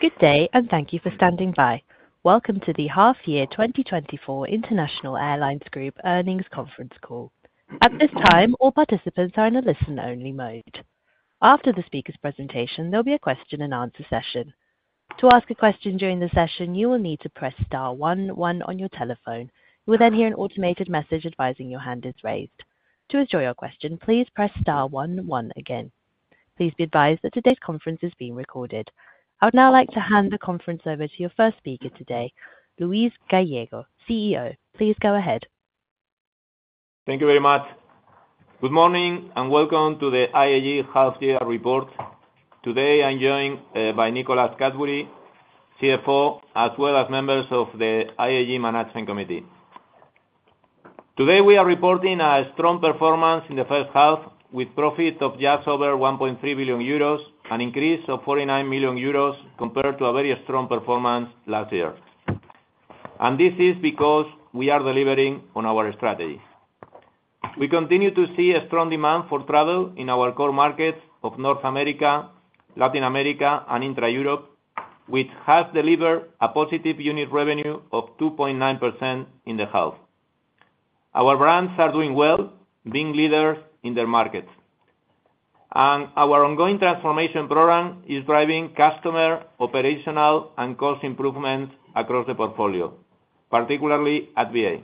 Good day, and thank you for standing by. Welcome to the half year 2024 International Airlines Group earnings conference call. At this time, all participants are in a listen-only mode. After the speaker's presentation, there'll be a question-and-answer session. To ask a question during the session, you will need to press star one one on your telephone. You will then hear an automated message advising your hand is raised. To end your question, please press star one one again. Please be advised that today's conference is being recorded. I would now like to hand the conference over to your first speaker today, Luis Gallego, CEO. Please go ahead. Thank you very much. Good morning, and welcome to the IAG half year report. Today, I'm joined by Nicholas Cadbury, CFO, as well as members of the IAG Management Committee. Today, we are reporting a strong performance in the first half, with profit of just over 1.3 billion euros, an increase of 49 million euros compared to a very strong performance last year. This is because we are delivering on our strategy. We continue to see a strong demand for travel in our core markets of North America, Latin America, and intra-Europe, which has delivered a positive unit revenue of 2.9% in the half. Our brands are doing well, being leaders in their markets, and our ongoing transformation program is driving customer, operational, and cost improvements across the portfolio, particularly at BA.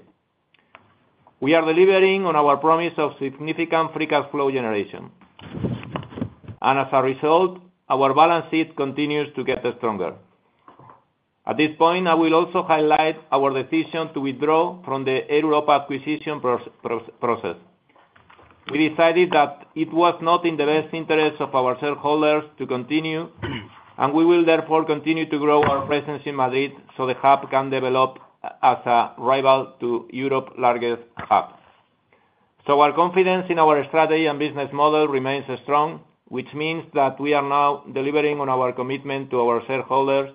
We are delivering on our promise of significant free cash flow generation, and as a result, our balance sheet continues to get stronger. At this point, I will also highlight our decision to withdraw from the Air Europa acquisition process. We decided that it was not in the best interest of our shareholders to continue, and we will therefore continue to grow our presence in Madrid so the hub can develop as a rival to Europa's largest hub. So our confidence in our strategy and business model remains strong, which means that we are now delivering on our commitment to our shareholders,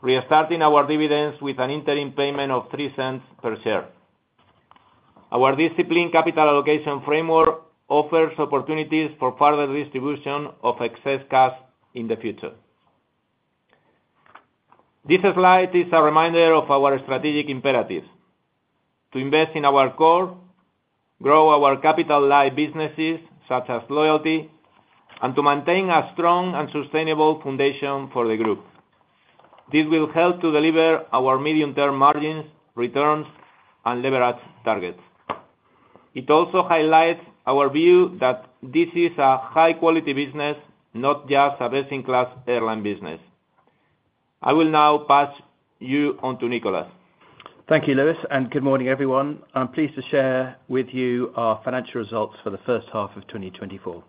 restarting our dividends with an interim payment of 0.03 per share. Our disciplined capital allocation framework offers opportunities for further distribution of excess cash in the future. This slide is a reminder of our strategic imperatives: to invest in our core, grow our capital light businesses, such as loyalty, and to maintain a strong and sustainable foundation for the group. This will help to deliver our medium-term margins, returns, and leverage targets. It also highlights our view that this is a high-quality business, not just a best-in-class airline business. I will now pass you on to Nicholas. Thank you, Luis, and good morning, everyone. I'm pleased to share with you our financial results for the first half of 2024.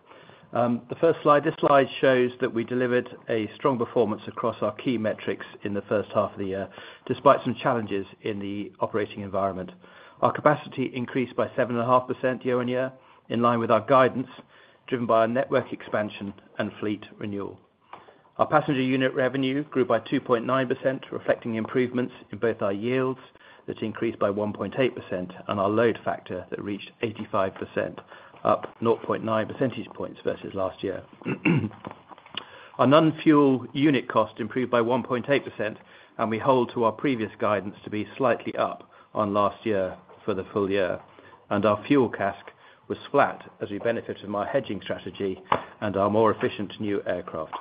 The first slide, this slide shows that we delivered a strong performance across our key metrics in the first half of the year, despite some challenges in the operating environment. Our capacity increased by 7.5% year-on-year, in line with our guidance, driven by a network expansion and fleet renewal. Our passenger unit revenue grew by 2.9%, reflecting improvements in both our yields, that increased by 1.8%, and our load factor that reached 85%, up 0.9 percentage points versus last year. Our non-fuel unit cost improved by 1.8%, and we hold to our previous guidance to be slightly up on last year for the full year. Our fuel CASK was flat, as we benefited from our hedging strategy and our more efficient new aircraft.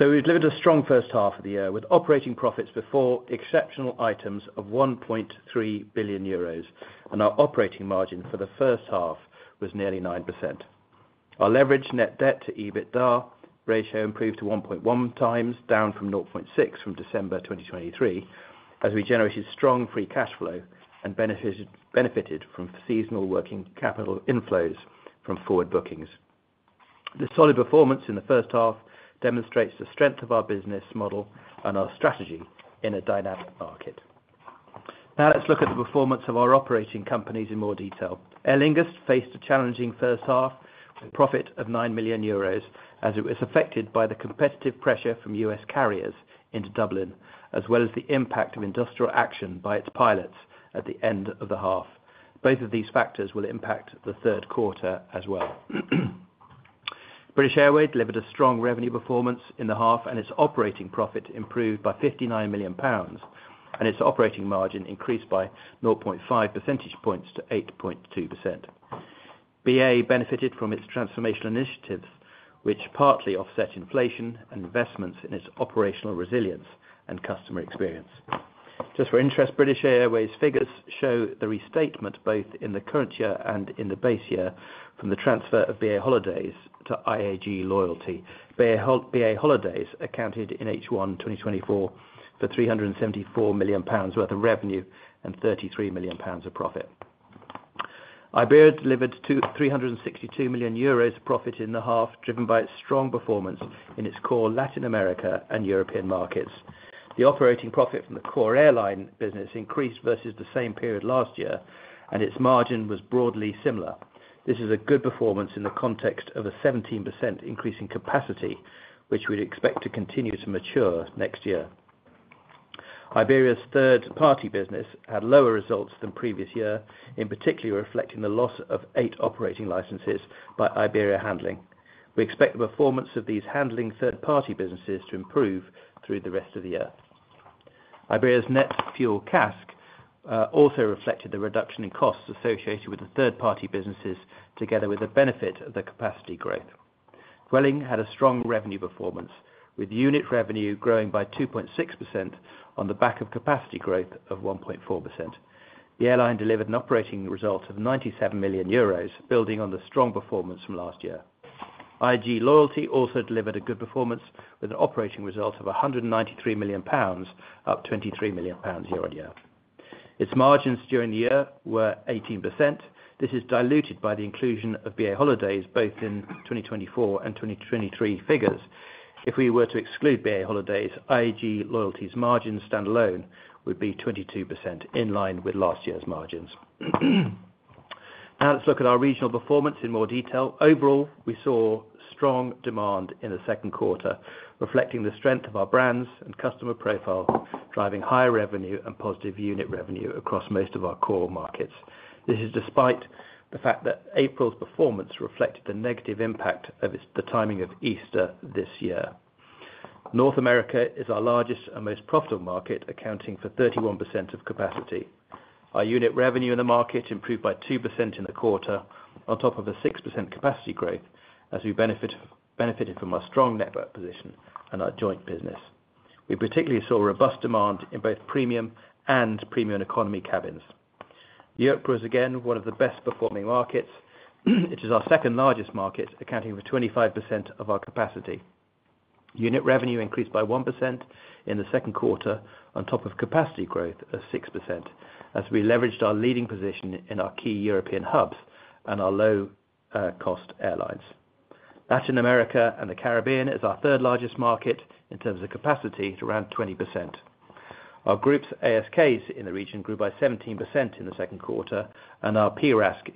We've delivered a strong first half of the year with operating profits before exceptional items of 1.3 billion euros, and our operating margin for the first half was nearly 9%. Our leverage net debt-to-EBITDA ratio improved to 1.1x, down from 0.6x from December 2023, as we generated strong free cash flow and benefited from seasonal working capital inflows from forward bookings. The solid performance in the first half demonstrates the strength of our business model and our strategy in a dynamic market. Now, let's look at the performance of our operating companies in more detail. Aer Lingus faced a challenging first half, with a profit of 9 million euros, as it was affected by the competitive pressure from U.S. carriers into Dublin, as well as the impact of industrial action by its pilots at the end of the half. Both of these factors will impact the third quarter as well. British Airways delivered a strong revenue performance in the half, and its operating profit improved by 59 million pounds, and its operating margin increased by 0.5 percentage points to 8.2%. BA benefited from its transformational initiatives, which partly offset inflation and investments in its operational resilience and customer experience. Just for interest, British Airways' figures show the restatement both in the current year and in the base year from the transfer of BA Holidays to IAG Loyalty. BA Holidays accounted in H1 2024 for 374 million pounds worth of revenue and 33 million pounds of profit. Iberia delivered 262 million euros of profit in the half, driven by its strong performance in its core Latin America and European markets. The operating profit from the core airline business increased versus the same period last year, and its margin was broadly similar. This is a good performance in the context of a 17% increase in capacity, which we'd expect to continue to mature next year. Iberia's third-party business had lower results than previous year, in particular, reflecting the loss of eight operating licenses by Iberia Handling. We expect the performance of these handling third-party businesses to improve through the rest of the year. Iberia's net fuel CASK also reflected the reduction in costs associated with the third-party businesses, together with the benefit of the capacity growth. Vueling had a strong revenue performance, with unit revenue growing by 2.6% on the back of capacity growth of 1.4%. The airline delivered an operating result of 97 million euros, building on the strong performance from last year. IAG Loyalty also delivered a good performance, with an operating result of 193 million pounds, up 23 million pounds year-on-year. Its margins during the year were 18%. This is diluted by the inclusion of BA Holidays, both in 2024 and 2023 figures. If we were to exclude BA Holidays, IAG Loyalty's margins standalone would be 22%, in line with last year's margins. Now, let's look at our regional performance in more detail. Overall, we saw strong demand in the second quarter, reflecting the strength of our brands and customer profile, driving higher revenue and positive unit revenue across most of our core markets. This is despite the fact that April's performance reflected the negative impact of the timing of Easter this year. North America is our largest and most profitable market, accounting for 31% of capacity. Our unit revenue in the market improved by 2% in the quarter, on top of a 6% capacity growth, as we benefited from our strong network position and our joint business. We particularly saw robust demand in both premium and premium economy cabins. Europe was again one of the best performing markets, which is our second largest market, accounting for 25% of our capacity. Unit revenue increased by 1% in the second quarter, on top of capacity growth of 6%, as we leveraged our leading position in our key European hubs and our low-cost airlines. Latin America and the Caribbean is our third largest market in terms of capacity, at around 20%. Our group's ASKs in the region grew by 17% in the second quarter, and our PRASK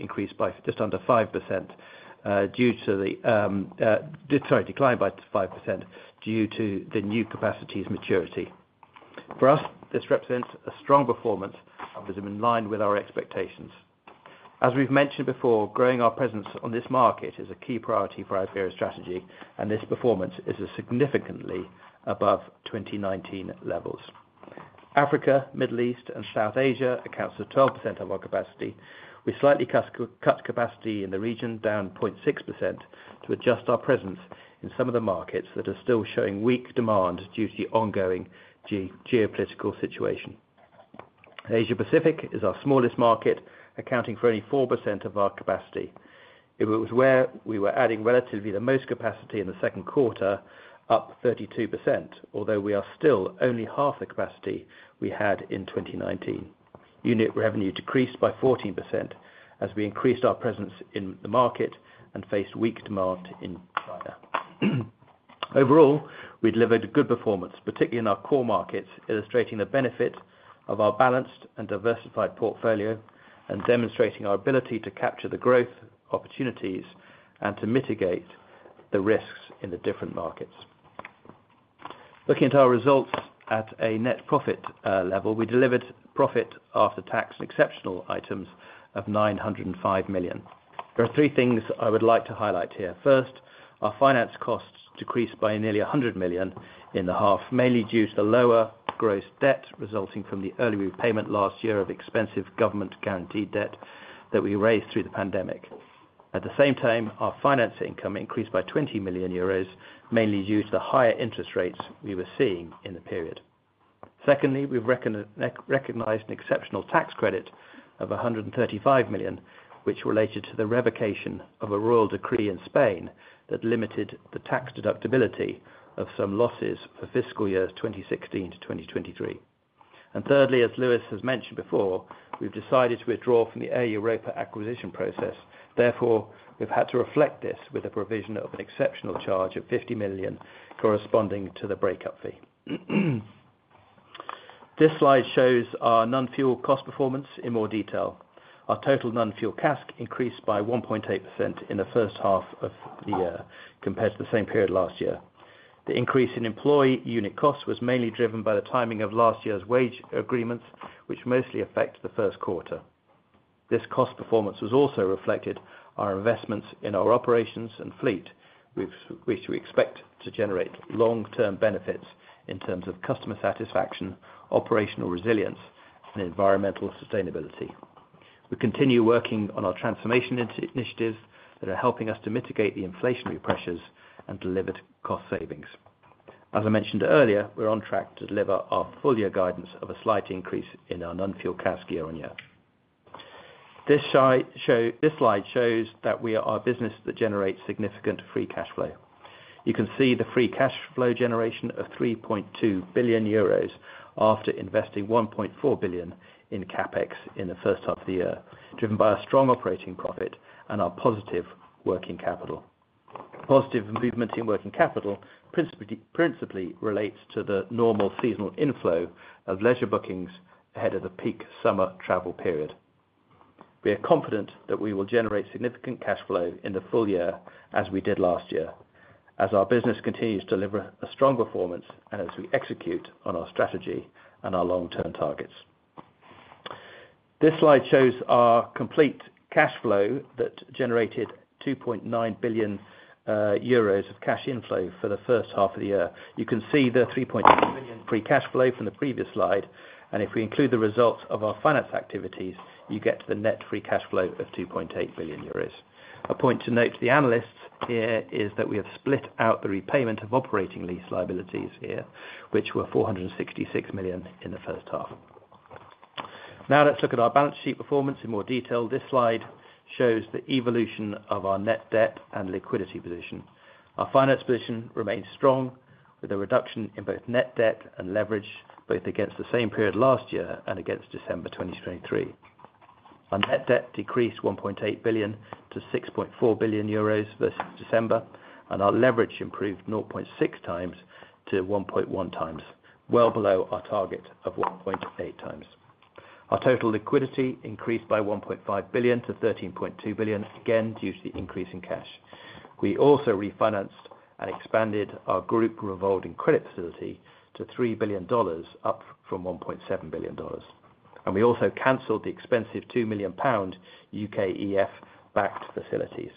declined by 5% due to the new capacity's maturity. For us, this represents a strong performance, in line with our expectations. As we've mentioned before, growing our presence on this market is a key priority for Iberia's strategy, and this performance is as significantly above 2019 levels. Africa, Middle East, and South Asia accounts for 12% of our capacity. We slightly cut capacity in the region, down 0.6%, to adjust our presence in some of the markets that are still showing weak demand due to the ongoing geopolitical situation. Asia Pacific is our smallest market, accounting for only 4% of our capacity. It was where we were adding relatively the most capacity in the second quarter, up 32%, although we are still only half the capacity we had in 2019. Unit revenue decreased by 14%, as we increased our presence in the market and faced weak demand in China. Overall, we delivered a good performance, particularly in our core markets, illustrating the benefit of our balanced and diversified portfolio, and demonstrating our ability to capture the growth opportunities and to mitigate the risks in the different markets. Looking at our results at a net profit level, we delivered profit after tax and exceptional items of 905 million. There are three things I would like to highlight here. First, our finance costs decreased by nearly 100 million in the half, mainly due to the lower gross debt resulting from the early repayment last year of expensive government-guaranteed debt that we raised through the pandemic. At the same time, our finance income increased by 20 million euros, mainly due to the higher interest rates we were seeing in the period. Secondly, we've recognized an exceptional tax credit of 135 million, which related to the revocation of a royal decree in Spain, that limited the tax deductibility of some losses for fiscal years 2016 to 2023. And thirdly, as Luis has mentioned before, we've decided to withdraw from the Air Europa acquisition process. Therefore, we've had to reflect this with a provision of an exceptional charge of 50 million corresponding to the breakup fee. This slide shows our non-fuel cost performance in more detail. Our total non-fuel CASK increased by 1.8% in the first half of the year compared to the same period last year. The increase in employee unit costs was mainly driven by the timing of last year's wage agreements, which mostly affect the first quarter. This cost performance has also reflected our investments in our operations and fleet, which we expect to generate long-term benefits in terms of customer satisfaction, operational resilience, and environmental sustainability. We continue working on our transformation initiatives that are helping us to mitigate the inflationary pressures and deliver cost savings. As I mentioned earlier, we're on track to deliver our full year guidance of a slight increase in our non-fuel CASK year-over-year. This slide shows that we are a business that generates significant free cash flow. You can see the free cash flow generation of 3.2 billion euros after investing 1.4 billion in CapEx in the first half of the year, driven by a strong operating profit and our positive working capital. Positive movement in working capital principally relates to the normal seasonal inflow of leisure bookings ahead of the peak summer travel period. We are confident that we will generate significant cash flow in the full year as we did last year, as our business continues to deliver a strong performance and as we execute on our strategy and our long-term targets. This slide shows our complete cash flow that generated 2.9 billion euros of cash inflow for the first half of the year. You can see the 3.2 billion free cash flow from the previous slide, and if we include the results of our finance activities, you get to the net free cash flow of 2.8 billion euros. A point to note to the analysts here is that we have split out the repayment of operating lease liabilities here, which were 466 million in the first half. Now, let's look at our balance sheet performance in more detail. This slide shows the evolution of our net debt and liquidity position. Our finance position remains strong, with a reduction in both net debt and leverage, both against the same period last year and against December 2023. Our net debt decreased 1.8 billion to 6.4 billion euros versus December, and our leverage improved 0.6x to 1.1x, well below our target of 1.8x. Our total liquidity increased by 1.5 billion to 13.2 billion, again, due to the increase in cash. We also refinanced and expanded our group revolving credit facility to $3 billion, up from $1.7 billion. We also canceled the expensive 2 billion pound UKEF-backed facilities.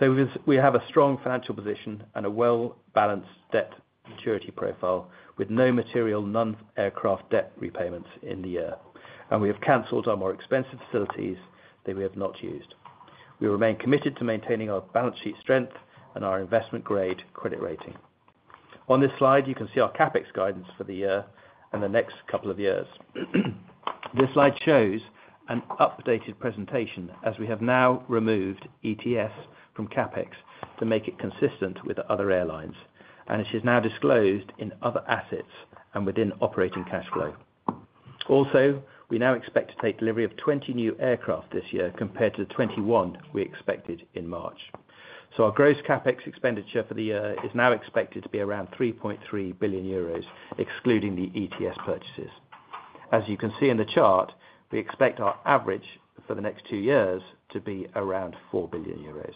With this, we have a strong financial position and a well-balanced debt maturity profile, with no material non-aircraft debt repayments in the year, and we have canceled our more expensive facilities that we have not used. We remain committed to maintaining our balance sheet strength and our investment-grade credit rating. On this slide, you can see our CapEx guidance for the year and the next couple of years. This slide shows an updated presentation, as we have now removed ETS from CapEx to make it consistent with other airlines, and it is now disclosed in other assets and within operating cash flow. Also, we now expect to take delivery of 20 new aircraft this year, compared to the 21 we expected in March. So our gross CapEx expenditure for the year is now expected to be around 3.3 billion euros, excluding the ETS purchases. As you can see in the chart, we expect our average for the next two years to be around 4 billion euros.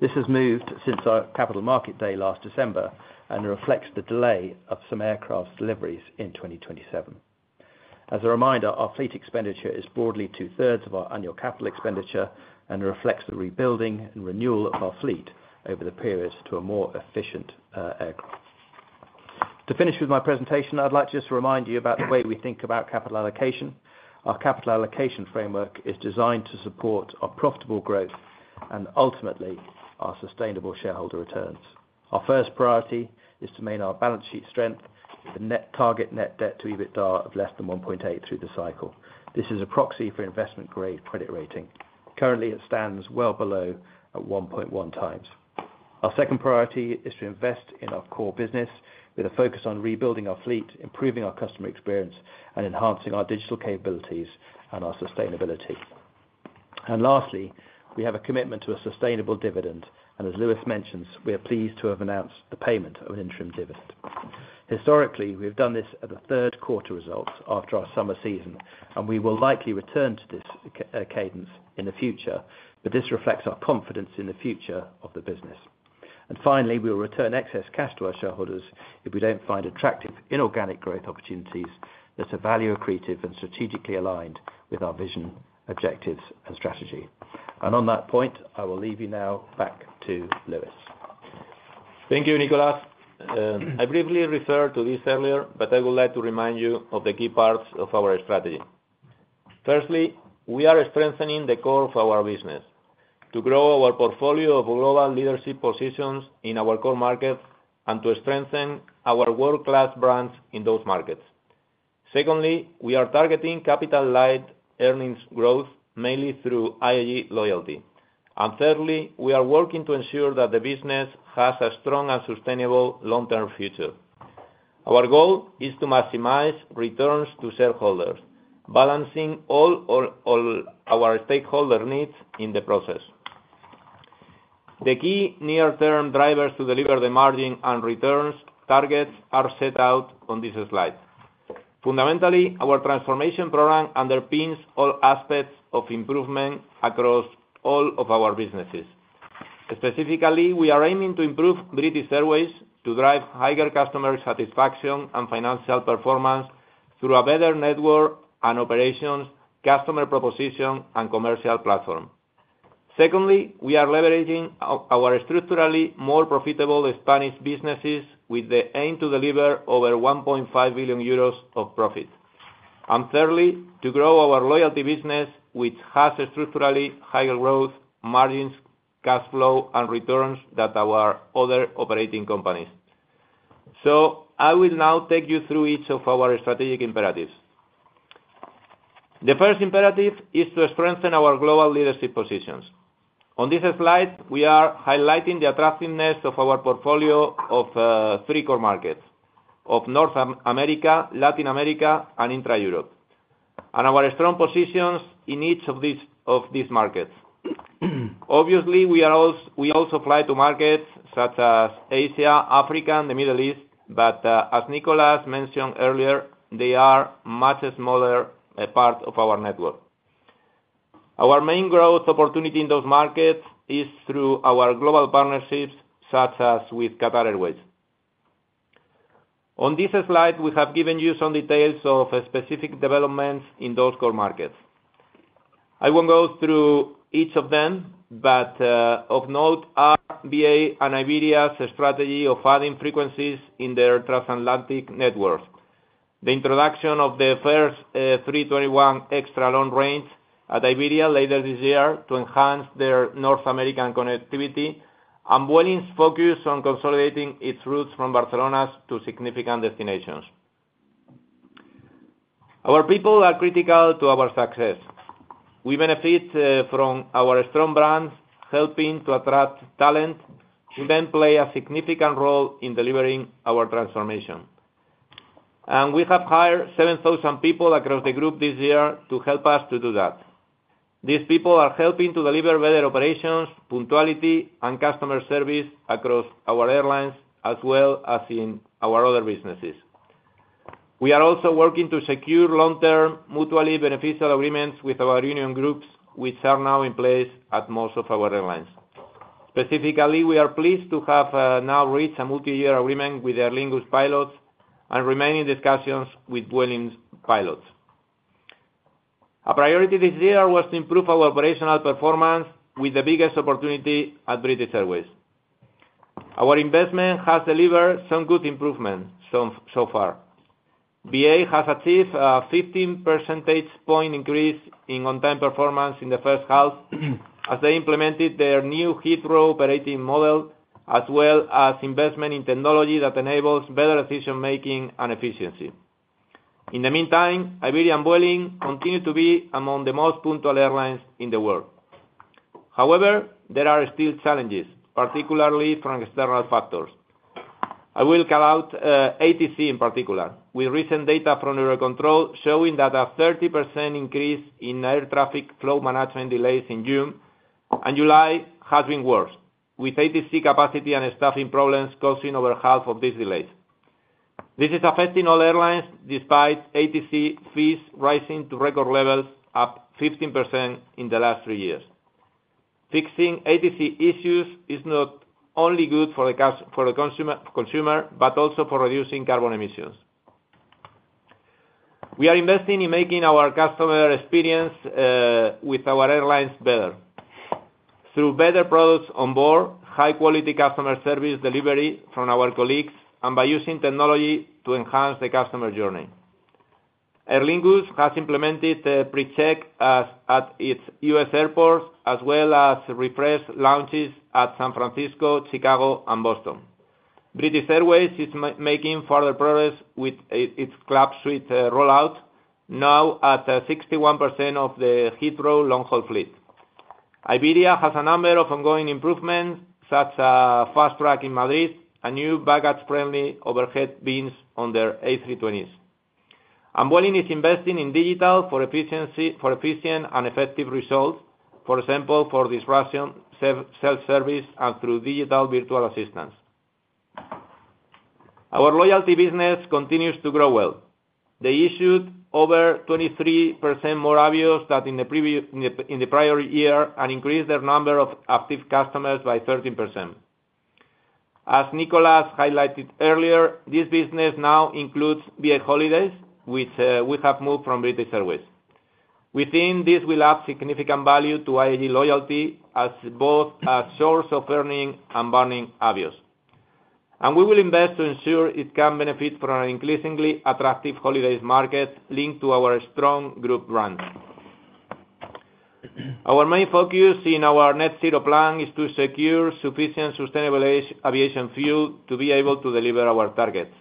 This has moved since our Capital Markets Day last December and reflects the delay of some aircraft deliveries in 2027. As a reminder, our fleet expenditure is broadly 2/3 of our annual capital expenditure and reflects the rebuilding and renewal of our fleet over the period to a more efficient aircraft. To finish with my presentation, I'd like just to remind you about the way we think about capital allocation. Our capital allocation framework is designed to support our profitable growth and ultimately, our sustainable shareholder returns. Our first priority is to maintain our balance sheet strength with a net target net debt-to-EBITDA of less than 1.8x through the cycle. This is a proxy for investment-grade credit rating. Currently, it stands well below at 1.1x. Our second priority is to invest in our core business with a focus on rebuilding our fleet, improving our customer experience, and enhancing our digital capabilities and our sustainability. And lastly, we have a commitment to a sustainable dividend, and as Luis mentioned, we are pleased to have announced the payment of an interim dividend. Historically, we've done this at the third quarter results after our summer season, and we will likely return to this cadence in the future, but this reflects our confidence in the future of the business. And finally, we will return excess cash to our shareholders if we don't find attractive inorganic growth opportunities that are value accretive and strategically aligned with our vision, objectives, and strategy. And on that point, I will leave you now back to Luis. Thank you, Nicholas. I briefly referred to this earlier, but I would like to remind you of the key parts of our strategy. Firstly, we are strengthening the core of our business to grow our portfolio of global leadership positions in our core markets and to strengthen our world-class brands in those markets. Secondly, we are targeting capital-light earnings growth, mainly through IAG Loyalty. And thirdly, we are working to ensure that the business has a strong and sustainable long-term future. Our goal is to maximize returns to shareholders, balancing all our, all our stakeholder needs in the process. The key near-term drivers to deliver the margin and returns targets are set out on this slide. Fundamentally, our transformation program underpins all aspects of improvement across all of our businesses. Specifically, we are aiming to improve British Airways to drive higher customer satisfaction and financial performance through a better network and operations, customer proposition, and commercial platform. Secondly, we are leveraging our structurally more profitable Spanish businesses with the aim to deliver over 1.5 billion euros of profit. And thirdly, to grow our loyalty business, which has a structurally higher growth margins, cash flow, and returns than our other operating companies. So I will now take you through each of our strategic imperatives. The first imperative is to strengthen our global leadership positions. On this slide, we are highlighting the attractiveness of our portfolio of three core markets, of North America, Latin America, and intra-Europe, and our strong positions in each of these markets. Obviously, we also fly to markets such as Asia, Africa, and the Middle East, but, as Nicholas mentioned earlier, they are much smaller part of our network. Our main growth opportunity in those markets is through our global partnerships, such as with Qatar Airways. On this slide, we have given you some details of specific developments in those core markets. I won't go through each of them, but, of note are BA and Iberia's strategy of adding frequencies in their transatlantic network. The introduction of the first 321 Extra Long Range at Iberia later this year to enhance their North American connectivity, and Vueling's focus on consolidating its routes from Barcelona to significant destinations. Our people are critical to our success. We benefit from our strong brands, helping to attract talent, who then play a significant role in delivering our transformation. We have hired 7,000 people across the group this year to help us to do that. These people are helping to deliver better operations, punctuality, and customer service across our airlines, as well as in our other businesses. We are also working to secure long-term, mutually beneficial agreements with our union groups, which are now in place at most of our airlines. Specifically, we are pleased to have now reached a multi-year agreement with Aer Lingus pilots and remaining discussions with Vueling's pilots. A priority this year was to improve our operational performance with the biggest opportunity at British Airways. Our investment has delivered some good improvement so, so far. BA has achieved a 15 percentage point increase in on-time performance in the first half, as they implemented their new Heathrow operating model, as well as investment in technology that enables better decision-making and efficiency. In the meantime, Iberia and Vueling continue to be among the most punctual airlines in the world. However, there are still challenges, particularly from external factors. I will call out ATC in particular, with recent data from EUROCONTROL showing that a 30% increase in air traffic flow management delays in June, and July has been worse, with ATC capacity and staffing problems causing over half of these delays. This is affecting all airlines, despite ATC fees rising to record levels, up 15% in the last three years. Fixing ATC issues is not only good for the consumer, but also for reducing carbon emissions. We are investing in making our customer experience with our airlines better. Through better products on board, high-quality customer service delivery from our colleagues, and by using technology to enhance the customer journey. Aer Lingus has implemented PreCheck at its US airports, as well as refreshed lounges at San Francisco, Chicago, and Boston. British Airways is making further progress with its Club Suite rollout, now at 61% of the Heathrow long-haul fleet. Iberia has a number of ongoing improvements, such as Fast Track in Madrid and new baggage-friendly overhead bins on their A320s. Vueling is investing in digital for efficient and effective results. For example, self-service, and through digital virtual assistants. Our loyalty business continues to grow well. They issued over 23% more Avios than in the prior year, and increased their number of active customers by 13%. As Nicholas highlighted earlier, this business now includes BA Holidays, which we have moved from British Airways. We think this will add significant value to IAG Loyalty as both a source of earning and burning Avios. We will invest to ensure it can benefit from an increasingly attractive holidays market linked to our strong group brands. Our main focus in our Net Zero plan is to secure sufficient sustainable aviation fuel to be able to deliver our targets.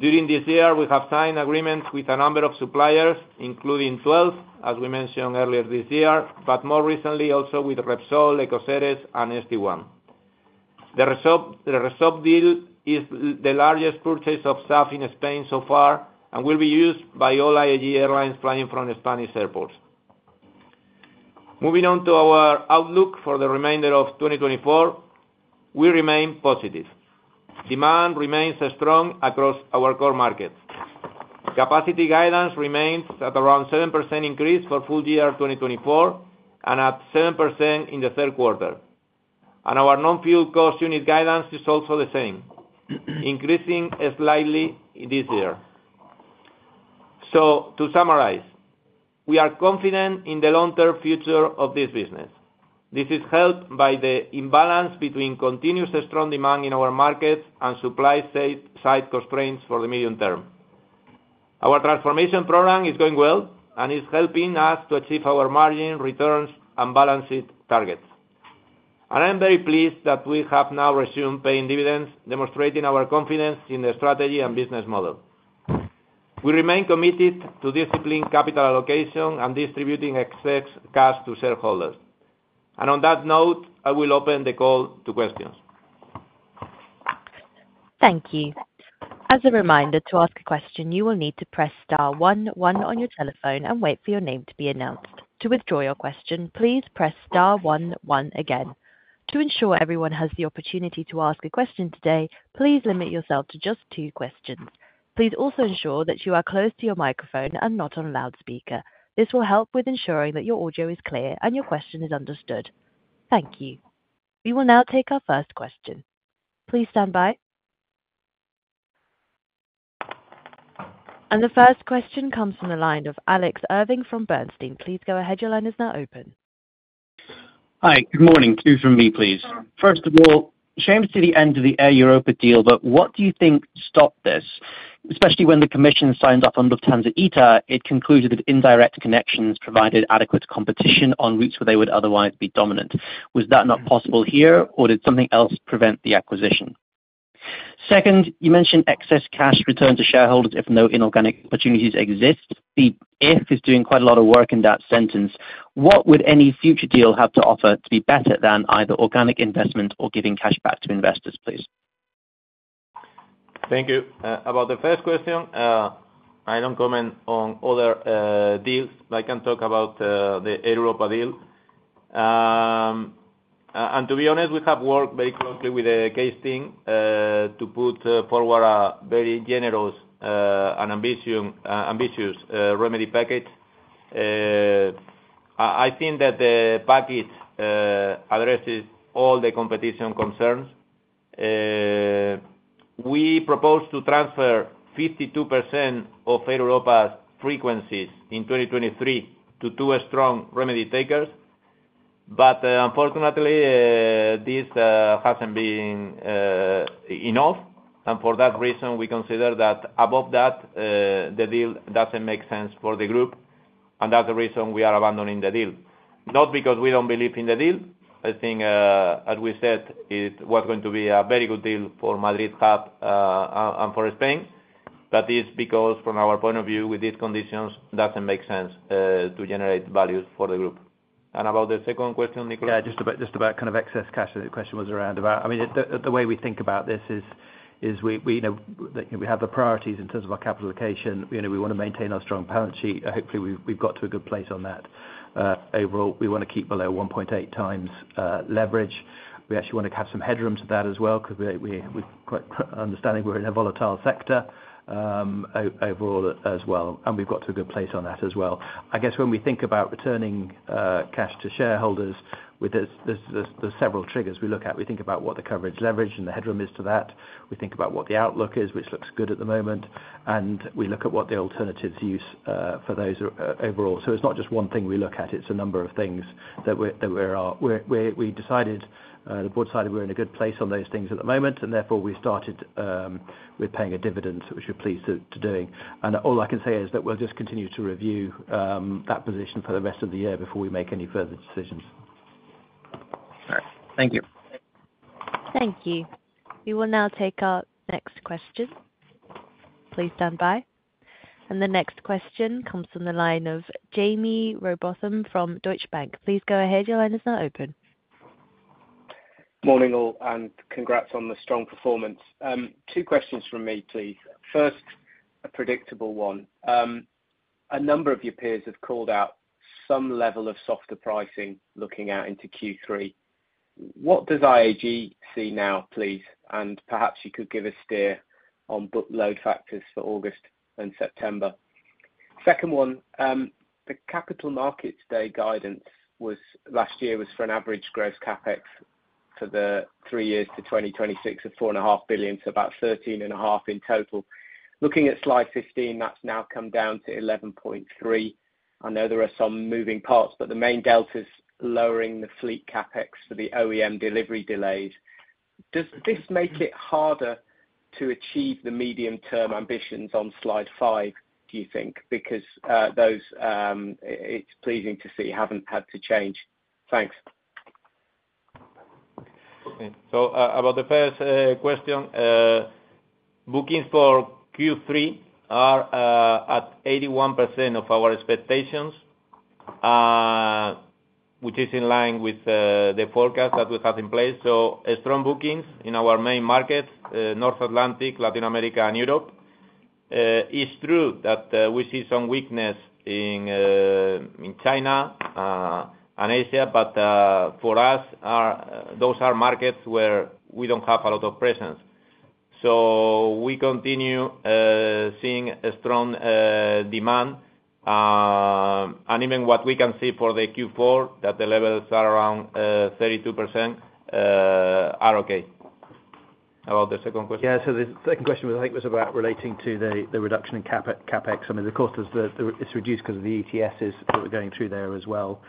During this year, we have signed agreements with a number of suppliers, including Twelve, as we mentioned earlier this year, but more recently, also with Repsol, EcoCeres, and St1. The Repsol deal is the largest purchase of SAF in Spain so far and will be used by all IAG airlines flying from Spanish airports. Moving on to our outlook for the remainder of 2024, we remain positive. Demand remains strong across our core markets. Capacity guidance remains at around 7% increase for full year 2024, and at 7% in the third quarter. Our non-fuel cost unit guidance is also the same, increasing slightly this year. So to summarize, we are confident in the long-term future of this business. This is helped by the imbalance between continuous strong demand in our markets and supply-side constraints for the medium term. Our transformation program is going well and is helping us to achieve our margin returns and balance sheet targets. I'm very pleased that we have now resumed paying dividends, demonstrating our confidence in the strategy and business model. We remain committed to disciplined capital allocation and distributing excess cash to shareholders. And on that note, I will open the call to questions. Thank you. As a reminder, to ask a question, you will need to press star one one on your telephone and wait for your name to be announced. To withdraw your question, please press star one one again. To ensure everyone has the opportunity to ask a question today, please limit yourself to just two questions. Please also ensure that you are close to your microphone and not on loudspeaker. This will help with ensuring that your audio is clear and your question is understood. Thank you. We will now take our first question. Please stand by. The first question comes from the line of Alex Irving from Bernstein. Please go ahead. Your line is now open. Hi, good morning. Two from me, please. First of all, shame to the end of the Air Europa deal, but what do you think stopped this? Especially when the Commission signed off on Lufthansa-ITA, it concluded that indirect connections provided adequate competition on routes where they would otherwise be dominant. Was that not possible here, or did something else prevent the acquisition? Second, you mentioned excess cash returned to shareholders if no inorganic opportunities exist. The if is doing quite a lot of work in that sentence. What would any future deal have to offer to be better than either organic investment or giving cash back to investors, please? Thank you. About the first question, I don't comment on other deals, but I can talk about the Air Europa deal. And to be honest, we have worked very closely with the case team to put forward a very generous and ambitious remedy package. I think that the package addresses all the competition concerns. We proposed to transfer 52% of Air Europa's frequencies in 2023 to two strong remedy takers. But unfortunately, this hasn't been enough, and for that reason, we consider that above that, the deal doesn't make sense for the group, and that's the reason we are abandoning the deal. Not because we don't believe in the deal. I think, as we said, it was going to be a very good deal for Madrid hub, and for Spain. But it's because from our point of view, with these conditions, doesn't make sense to generate values for the group. And about the second question, Nicholas? Yeah, just about kind of excess cash. The question was around about. I mean, the way we think about this is we know that we have the priorities in terms of our capital allocation. You know, we want to maintain our strong balance sheet, and hopefully we've got to a good place on that. Overall, we want to keep below 1.8x leverage. We actually want to have some headroom to that as well, because we quite understand we're in a volatile sector, overall as well, and we've got to a good place on that as well. I guess when we think about returning cash to shareholders, with this, there's several triggers we look at. We think about what the covenant leverage and the headroom is to that. We think about what the outlook is, which looks good at the moment, and we look at what the alternatives use for those overall. So it's not just one thing we look at, it's a number of things. The board decided we're in a good place on those things at the moment, and therefore, we started with paying a dividend, which we're pleased to doing. And all I can say is that we'll just continue to review that position for the rest of the year before we make any further decisions. All right. Thank you. Thank you. We will now take our next question. Please stand by. The next question comes from the line of Jaime Rowbotham from Deutsche Bank. Please go ahead. Your line is now open. Morning, all, and congrats on the strong performance. Two questions from me, please. First, a predictable one. A number of your peers have called out some level of softer pricing looking out into Q3. What does IAG see now, please? And perhaps you could give a steer on book load factors for August and September. Second one, the Capital Markets Day guidance was, last year was for an average gross CapEx for the three years to 2026 of 4.5 billion, so about 13.5 billion in total. Looking at slide 15, that's now come down to 11.3 billion. I know there are some moving parts, but the main delta is lowering the fleet CapEx for the OEM delivery delays. Does this make it harder to achieve the medium-term ambitions on slide five, do you think? Because those, it's pleasing to see, haven't had to change. Thanks. So about the first question, bookings for Q3 are at 81% of our expectations, which is in line with the forecast that we have in place. So strong bookings in our main markets, North Atlantic, Latin America, and Europe. It's true that we see some weakness in China and Asia, but for us, those are markets where we don't have a lot of presence. So we continue seeing a strong demand, and even what we can see for the Q4, that the levels are around 32% are okay. How about the second question? Yeah, so the second question was, I think, was about relating to the reduction in CapEx. I mean, of course, there's the—it's reduced because of the ETSs that we're going through there as well,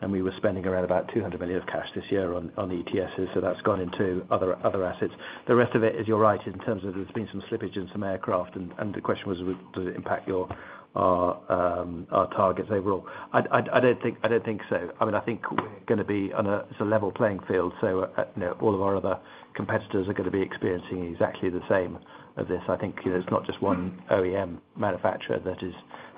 and we were spending around about 200 million of cash this year on the ETSs, so that's gone into other assets. The rest of it is you're right, in terms of there's been some slippage in some aircraft, and the question was, does it impact your our targets overall? I don't think so. I mean, I think we're gonna be on a, it's a level playing field, so you know, all of our other competitors are gonna be experiencing exactly the same as this. I think you know, it's not just one OEM manufacturer that is—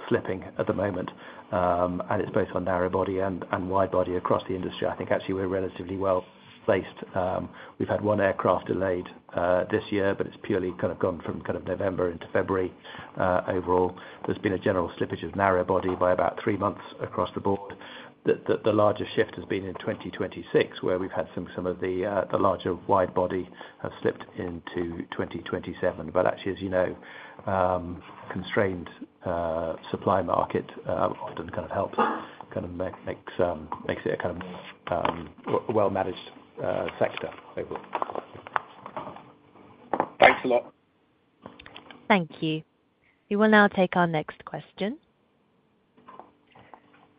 Flipping at the moment, and it's both on narrow body and wide body across the industry. I think actually we're relatively well placed. We've had one aircraft delayed this year, but it's purely kind of gone from kind of November into February. Overall, there's been a general slippage of narrow body by about three months across the board. The largest shift has been in 2026, where we've had some of the larger wide body have slipped into 2027. But actually, as you know, constrained supply market often kind of helps make it a kind of well managed sector overall. Thanks a lot. Thank you. We will now take our next question.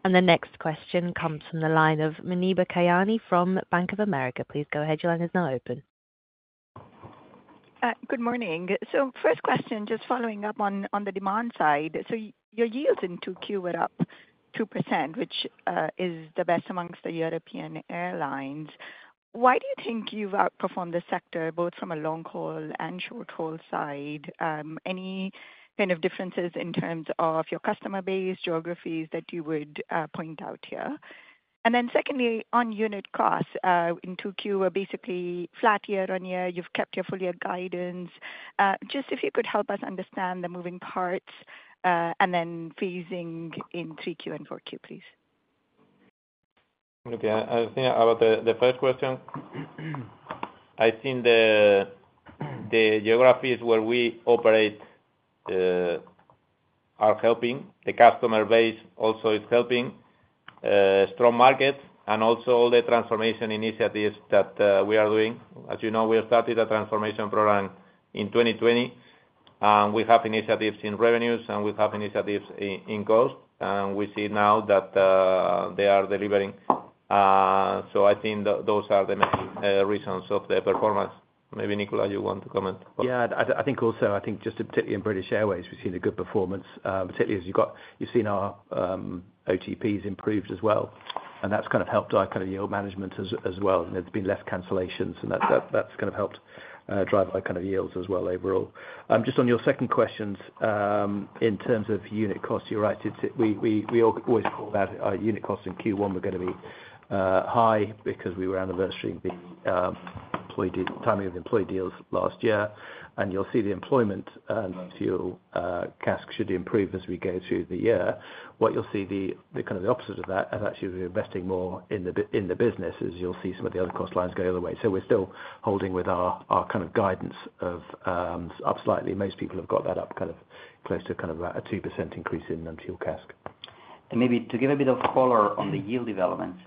The next question comes from the line of Muneeba Kayani from Bank of America. Please go ahead, your line is now open. Good morning. So first question, just following up on the demand side. So your yields in Q2 were up 2%, which is the best amongst the European airlines. Why do you think you've outperformed the sector, both from a long haul and short haul side? Any kind of differences in terms of your customer base, geographies, that you would point out here? And then secondly, on unit costs in Q2 were basically flat year-on-year. You've kept your full year guidance. Just if you could help us understand the moving parts, and then phasing in Q3 and Q4, please. Okay, I think about the first question. I think the geographies where we operate are helping. The customer base also is helping, strong market and also all the transformation initiatives that we are doing. As you know, we have started a transformation program in 2020, and we have initiatives in revenues, and we have initiatives in cost, and we see now that they are delivering. So I think those are the main reasons of the performance. Maybe, Nicholas, you want to comment? Yeah. I think also, I think just particularly in British Airways, we've seen a good performance, particularly as you've got-- you've seen our, OTPs improved as well, and that's kind of helped our kind of yield management as, as well. There's been less cancellations and that, that's kind of helped, drive our kind of yields as well overall. Just on your second questions, in terms of unit costs, you're right. It's, we always call that our unit costs in Q1 were gonna be, high because we were anniversarying the, timing of the employee deals last year. And you'll see the employment, fuel, CASK should improve as we go through the year. What you'll see the kind of the opposite of that, as actually we're investing more in the business, as you'll see some of the other cost lines go the other way. So we're still holding with our kind of guidance of up slightly. Most people have got that up kind of close to kind of a 2% increase in non-fuel CASK. And maybe to give a bit of color on the yield developments,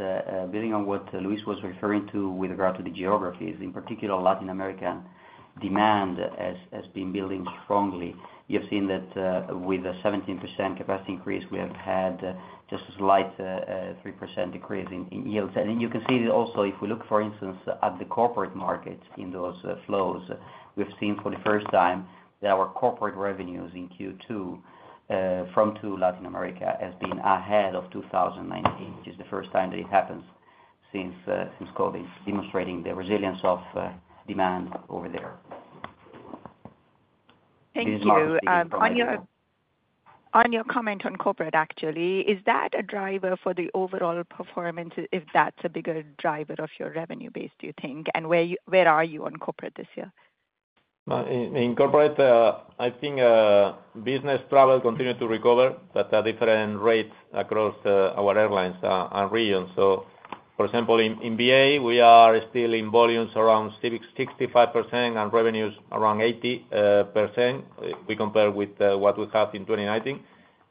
building on what Luis was referring to with regard to the geographies, in particular, Latin America, demand has been building strongly. You've seen that, with a 17% capacity increase, we have had just a slight, 3% decrease in yields. And you can see that also, if we look, for instance, at the corporate market in those, flows, we've seen for the first time that our corporate revenues in Q2, from to Latin America, has been ahead of 2019, which is the first time that it happens since, since COVID. Demonstrating the resilience of, demand over there. Thank you. There is market- On your comment on corporate, actually, is that a driver for the overall performance, if that's a bigger driver of your revenue base, do you think? And where are you on corporate this year? In corporate business travel, I think, continued to recover at a different rate across our airlines and regions. So, for example, in BA, we are still in volumes around 65% and revenues around 80%. If we compare with what we had in 2019.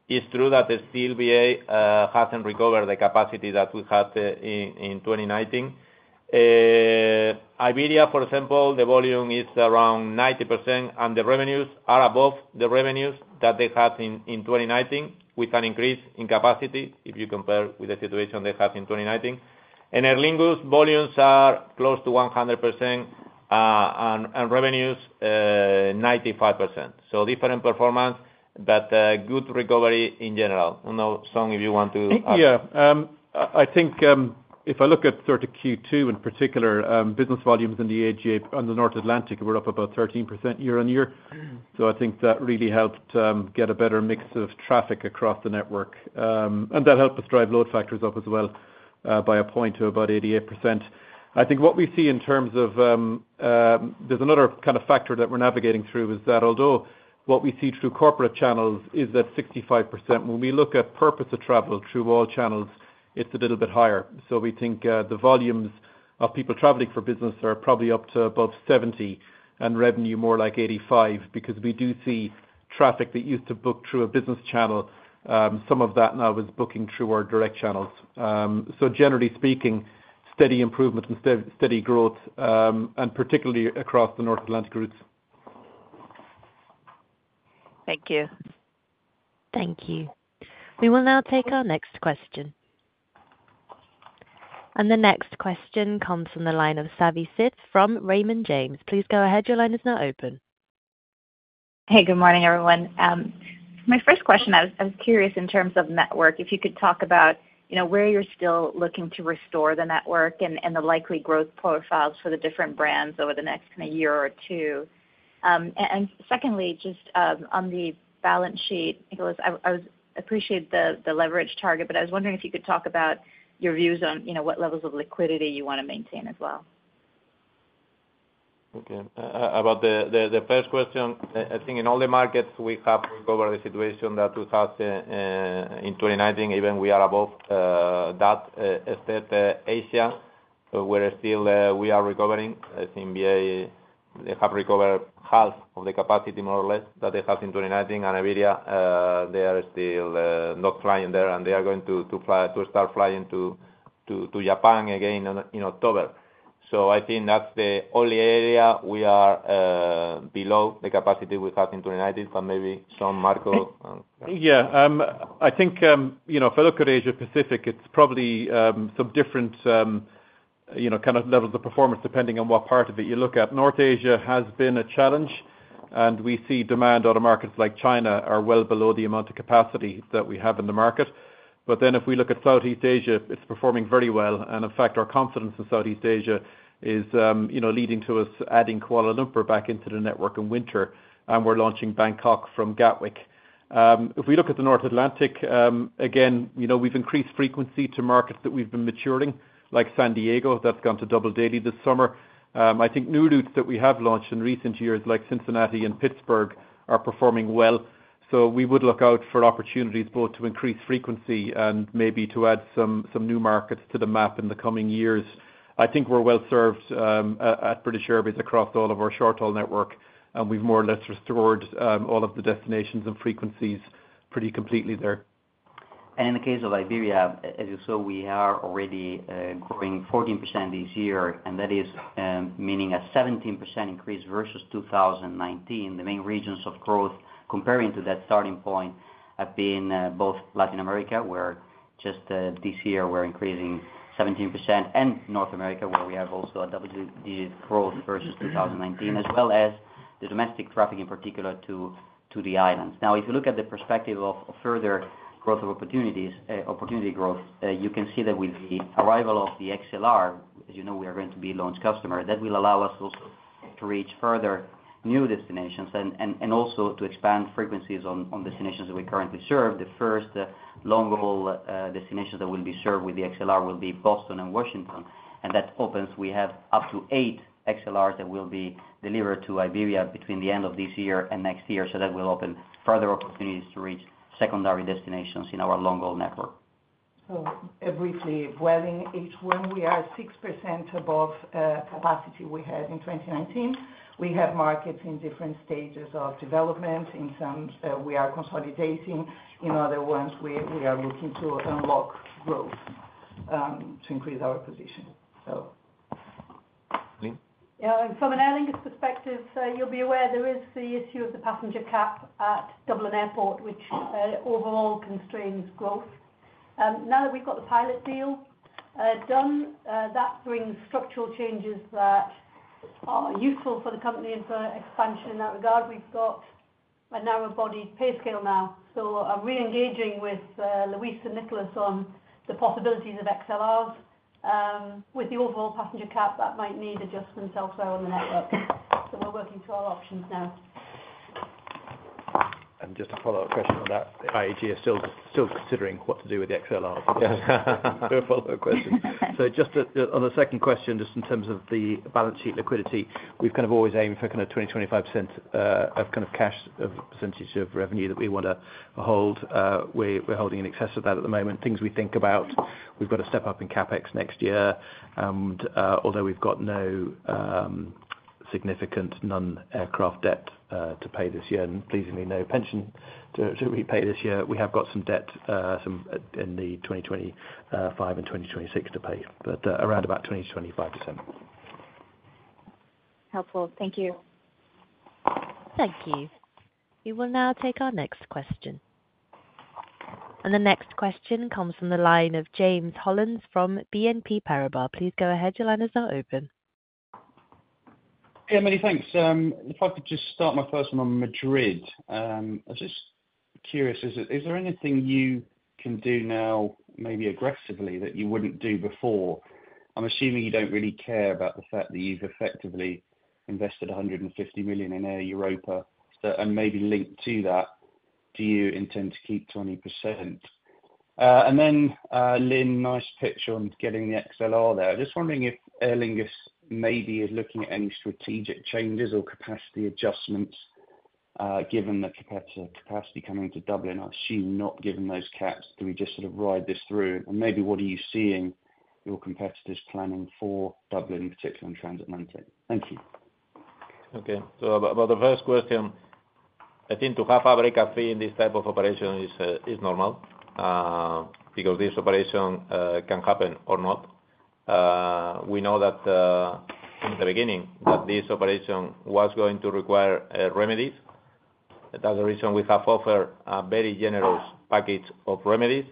It's true that the BA hasn't recovered the capacity that we had in 2019. Iberia, for example, the volume is around 90%, and the revenues are above the revenues that they had in 2019, with an increase in capacity, if you compare with the situation they had in 2019. And Aer Lingus volumes are close to 100%, and revenues 95%. So different performance, but good recovery in general. I don't know, Sean, if you want to add. Yeah. I, I think, if I look at sort of Q2 in particular, business volumes in the IAG on the North Atlantic were up about 13% year-on-year. So I think that really helped get a better mix of traffic across the network. And that helped us drive load factors up as well, by a point to about 88%. I think what we see in terms of—There's another kind of factor that we're navigating through, is that although what we see through corporate channels is that 65%, when we look at purpose of travel through all channels, it's a little bit higher. So we think, the volumes of people traveling for business are probably up to above 70%, and revenue more like 85%, because we do see traffic that used to book through a business channel, some of that now is booking through our direct channels. So generally speaking, steady improvement and steady growth, and particularly across the North Atlantic routes. Thank you. Thank you. We will now take our next question. The next question comes from the line of Savi Syth from Raymond James. Please go ahead. Your line is now open. Hey, good morning, everyone. My first question, I was curious in terms of network, if you could talk about, you know, where you're still looking to restore the network and the likely growth profiles for the different brands over the next kind of year or two. And secondly, just on the balance sheet, Nicholas, I appreciate the leverage target, but I was wondering if you could talk about your views on, you know, what levels of liquidity you wanna maintain as well. Okay. About the first question, I think in all the markets we have recovered the situation that we had in 2019, even we are above that, except Asia, where still we are recovering. I think BA, they have recovered half of the capacity, more or less, that they had in 2019, and Iberia, they are still not flying there, and they are going to fly, to start flying to Japan again in October. So I think that's the only area we are below the capacity we had in 2019, but maybe Sean, Marco? Yeah. I think, you know, if I look at Asia Pacific, it's probably some different, you know, kind of levels of performance, depending on what part of it you look at. North Asia has been a challenge, and we see demand out of markets like China are well below the amount of capacity that we have in the market. But then if we look at Southeast Asia, it's performing very well. And in fact, our confidence in Southeast Asia is, you know, leading to us adding Kuala Lumpur back into the network in winter, and we're launching Bangkok from Gatwick. If we look at the North Atlantic, again, you know, we've increased frequency to markets that we've been maturing, like San Diego. That's gone to double daily this summer. I think new routes that we have launched in recent years, like Cincinnati and Pittsburgh, are performing well. We would look out for opportunities both to increase frequency and maybe to add some new markets to the map in the coming years. I think we're well served at British Airways across all of our short-haul network, and we've more or less restored all of the destinations and frequencies pretty completely there. And in the case of Iberia, as you saw, we are already growing 14% this year, and that is meaning a 17% increase versus 2019. The main regions of growth comparing to that starting point have been both Latin America, where just this year we're increasing 17%, and North America, where we have also a double-digit growth versus 2019, as well as the domestic traffic in particular to, to the islands. Now, if you look at the perspective of further growth of opportunities, opportunity growth, you can see that with the arrival of the XLR, as you know, we are going to be launch customer. That will allow us also to reach further new destinations and, and, and also to expand frequencies on, on destinations that we currently serve. The first long-haul destinations that will be served with the XLR will be Boston and Washington. When that opens, we have up to eight XLRs that will be delivered to Iberia between the end of this year and next year. That will open further opportunities to reach secondary destinations in our long-haul network. So briefly, Vueling, H1, we are 6% above capacity we had in 2019. We have markets in different stages of development. In some, we are consolidating. In other ones, we are looking to unlock growth to increase our position, so. Lynne? Yeah, from an Aer Lingus perspective, so you'll be aware there is the issue of the passenger cap at Dublin Airport, which overall constrains growth. Now that we've got the pilot deal done, that brings structural changes that are useful for the company and for expansion. In that regard, we've got a narrow-bodied pay scale now. So I'm re-engaging with Luis and Nicholas on the possibilities of XLRs. With the overall passenger cap, that might need adjustment also on the network. So we're working through our options now. Just a follow-up question on that, IAG are still considering what to do with the XLR. A follow-up question. Just on the second question, just in terms of the balance sheet liquidity, we've kind of always aimed for kind of 20%-25% of kind of cash of percentage of revenue that we want to hold. We're holding in excess of that at the moment. Things we think about, we've got to step up in CapEx next year, and although we've got no significant non-aircraft debt to pay this year, and pleasingly, no pension to repay this year, we have got some debt in the 2025 and 2026 to pay, but around about 20%-25%. Helpful. Thank you. Thank you. We will now take our next question. The next question comes from the line of James Hollins from BNP Paribas. Please go ahead. Your lines are open. Yeah, many thanks. If I could just start my first one on Madrid. I'm just curious, is there anything you can do now, maybe aggressively, that you wouldn't do before? I'm assuming you don't really care about the fact that you've effectively invested 150 million in Air Europa. And maybe linked to that, do you intend to keep 20%? And then, Lynne, nice picture on getting the XLR there. Just wondering if Aer Lingus maybe is looking at any strategic changes or capacity adjustments, given the capacity coming to Dublin, I assume not given those caps. Do we just sort of ride this through? And maybe what are you seeing your competitors planning for Dublin, in particular in transit marketing? Thank you. Okay. So about the first question, I think to have a breakup fee in this type of operation is normal because this operation can happen or not. We know that from the beginning, that this operation was going to require remedies. That's the reason we have offered a very generous package of remedies.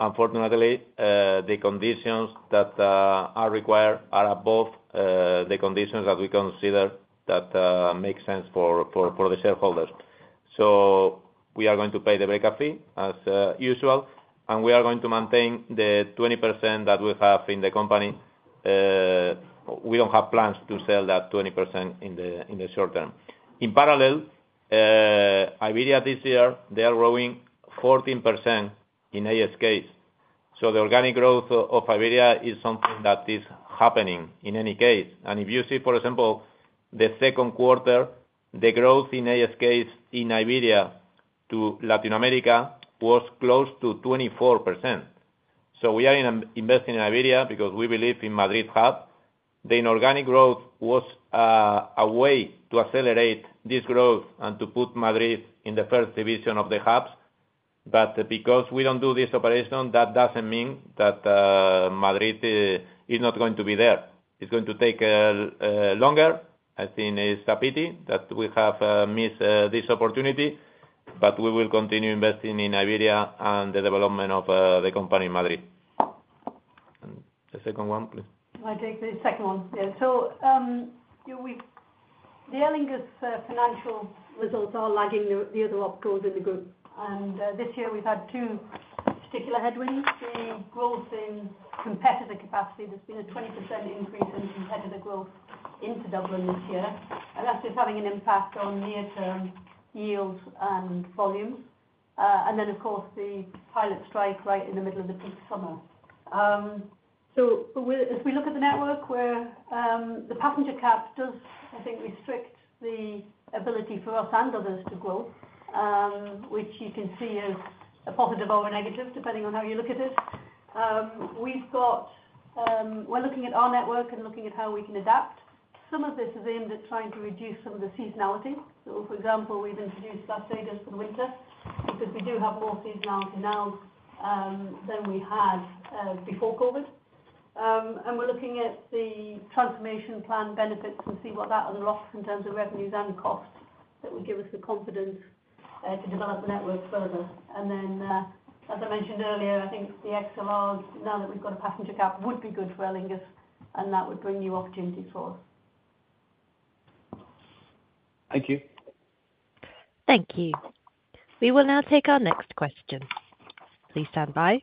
Unfortunately, the conditions that are required are above the conditions that we consider that make sense for the shareholders. So we are going to pay the breakup fee, as usual, and we are going to maintain the 20% that we have in the company. We don't have plans to sell that 20% in the short term. In parallel, Iberia this year, they are growing 14% in ASKs. So the organic growth of Iberia is something that is happening in any case. And if you see, for example, the second quarter, the growth in ASKs in Iberia to Latin America was close to 24%. So we are investing in Iberia because we believe in Madrid hub. The inorganic growth was a way to accelerate this growth and to put Madrid in the first division of the hubs. But because we don't do this operation, that doesn't mean that Madrid is not going to be there. It's going to take longer. I think it is a pity that we have missed this opportunity, but we will continue investing in Iberia and the development of the company in Madrid. And the second one, please. I'll take the second one. Yeah. So, yeah, the Aer Lingus financial results are lagging the other opco in the group. And this year we've had two particular headwinds: the growth in competitive capacity. There's been a 20% increase in competitive growth into Dublin this year, and that is having an impact on near-term yields and volume. And then, of course, the pilot strike right in the middle of the peak summer. So if we look at the network where the passenger cap does, I think, restrict the ability for us and others to grow, which you can see as a positive or a negative, depending on how you look at it. We've got—we're looking at our network and looking at how we can adapt. Some of this is aimed at trying to reduce some of the seasonality. So for example, we've introduced Las Vegas for the winter, because we do have more seasonality now than we had before COVID. And we're looking at the transformation plan benefits and see what that unlocks in terms of revenues and costs. That will give us the confidence to develop the network further. And then, as I mentioned earlier, I think the XLRs, now that we've got a passenger cap, would be good for Aer Lingus, and that would bring new opportunities for us. Thank you. Thank you. We will now take our next question. Please stand by.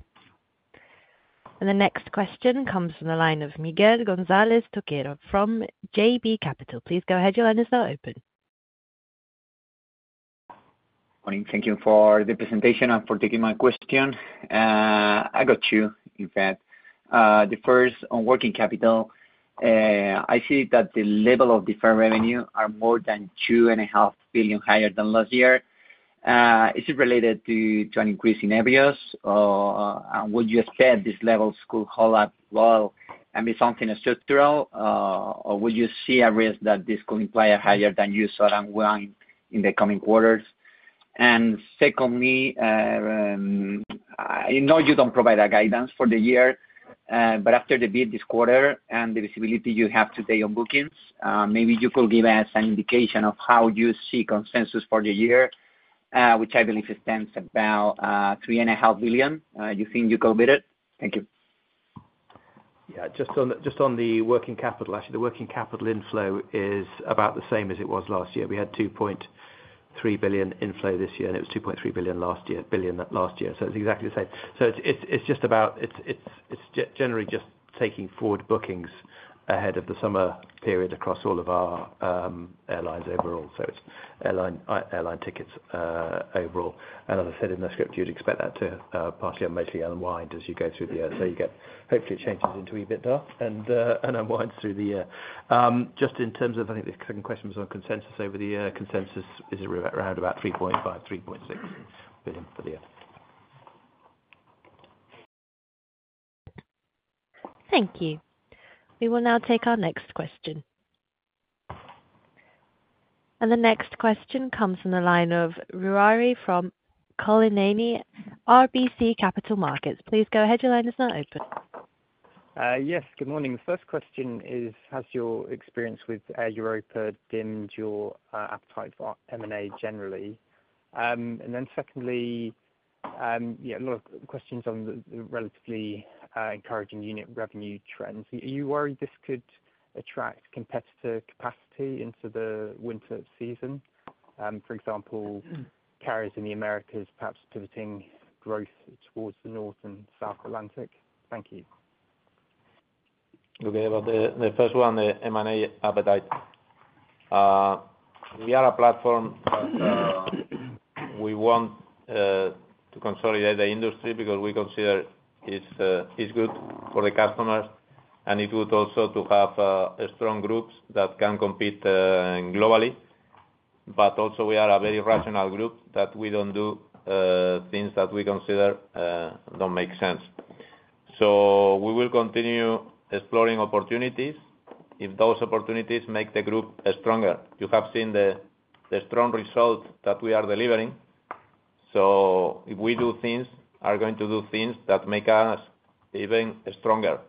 The next question comes from the line of Miguel González Toquero from JB Capital. Please go ahead, your line is now open. Morning. Thank you for the presentation and for taking my question. I got two, in fact. The first on working capital. I see that the level of deferred revenue are more than 2.5 billion higher than last year. Is it related to, to an increase in Avios, or, and would you expect these levels could hold up well and be something structural, or would you see a risk that this could imply a higher than usual unwind in the coming quarters? And secondly, I know you don't provide a guidance for the year, but after the build this quarter and the visibility you have today on bookings, maybe you could give us an indication of how you see consensus for the year, which I believe stands about 3.5 billion. You think you go beat it? Thank you. Yeah, just on the working capital. Actually, the working capital inflow is about the same as it was last year. We had 2.3 billion inflow this year, and it was 2.3 billion last year, so it's exactly the same. So it's generally just taking forward bookings ahead of the summer period across all of our airlines overall. So it's airline tickets overall. And as I said in my script, you'd expect that to partly and mostly unwind as you go through the year. So you get, hopefully, it changes into EBITDA and unwinds through the year. Just in terms of, I think the second question was on consensus over the year. Consensus is around about 3.5 billion-3.6 billion for the year. Thank you. We will now take our next question. The next question comes from the line of Ruairi Cullinane, RBC Capital Markets. Please go ahead. Your line is now open. Yes. Good morning. First question is, has your experience with Europa dimmed your appetite for M&A generally? And then secondly, yeah, a lot of questions on the relatively encouraging unit revenue trends. Are you worried this could attract competitor capacity into the winter season? For example, carriers in the Americas, perhaps pivoting growth towards the North and South Atlantic. Thank you. Okay. About the first one, the M&A appetite. We are a platform. We want to consolidate the industry because we consider it's good for the customers, and it's good also to have a strong group that can compete globally. But also we are a very rational group, that we don't do things that we consider don't make sense. So we will continue exploring opportunities, if those opportunities make the group stronger. You have seen the strong results that we are delivering, so if we do things, are going to do things that make us even stronger.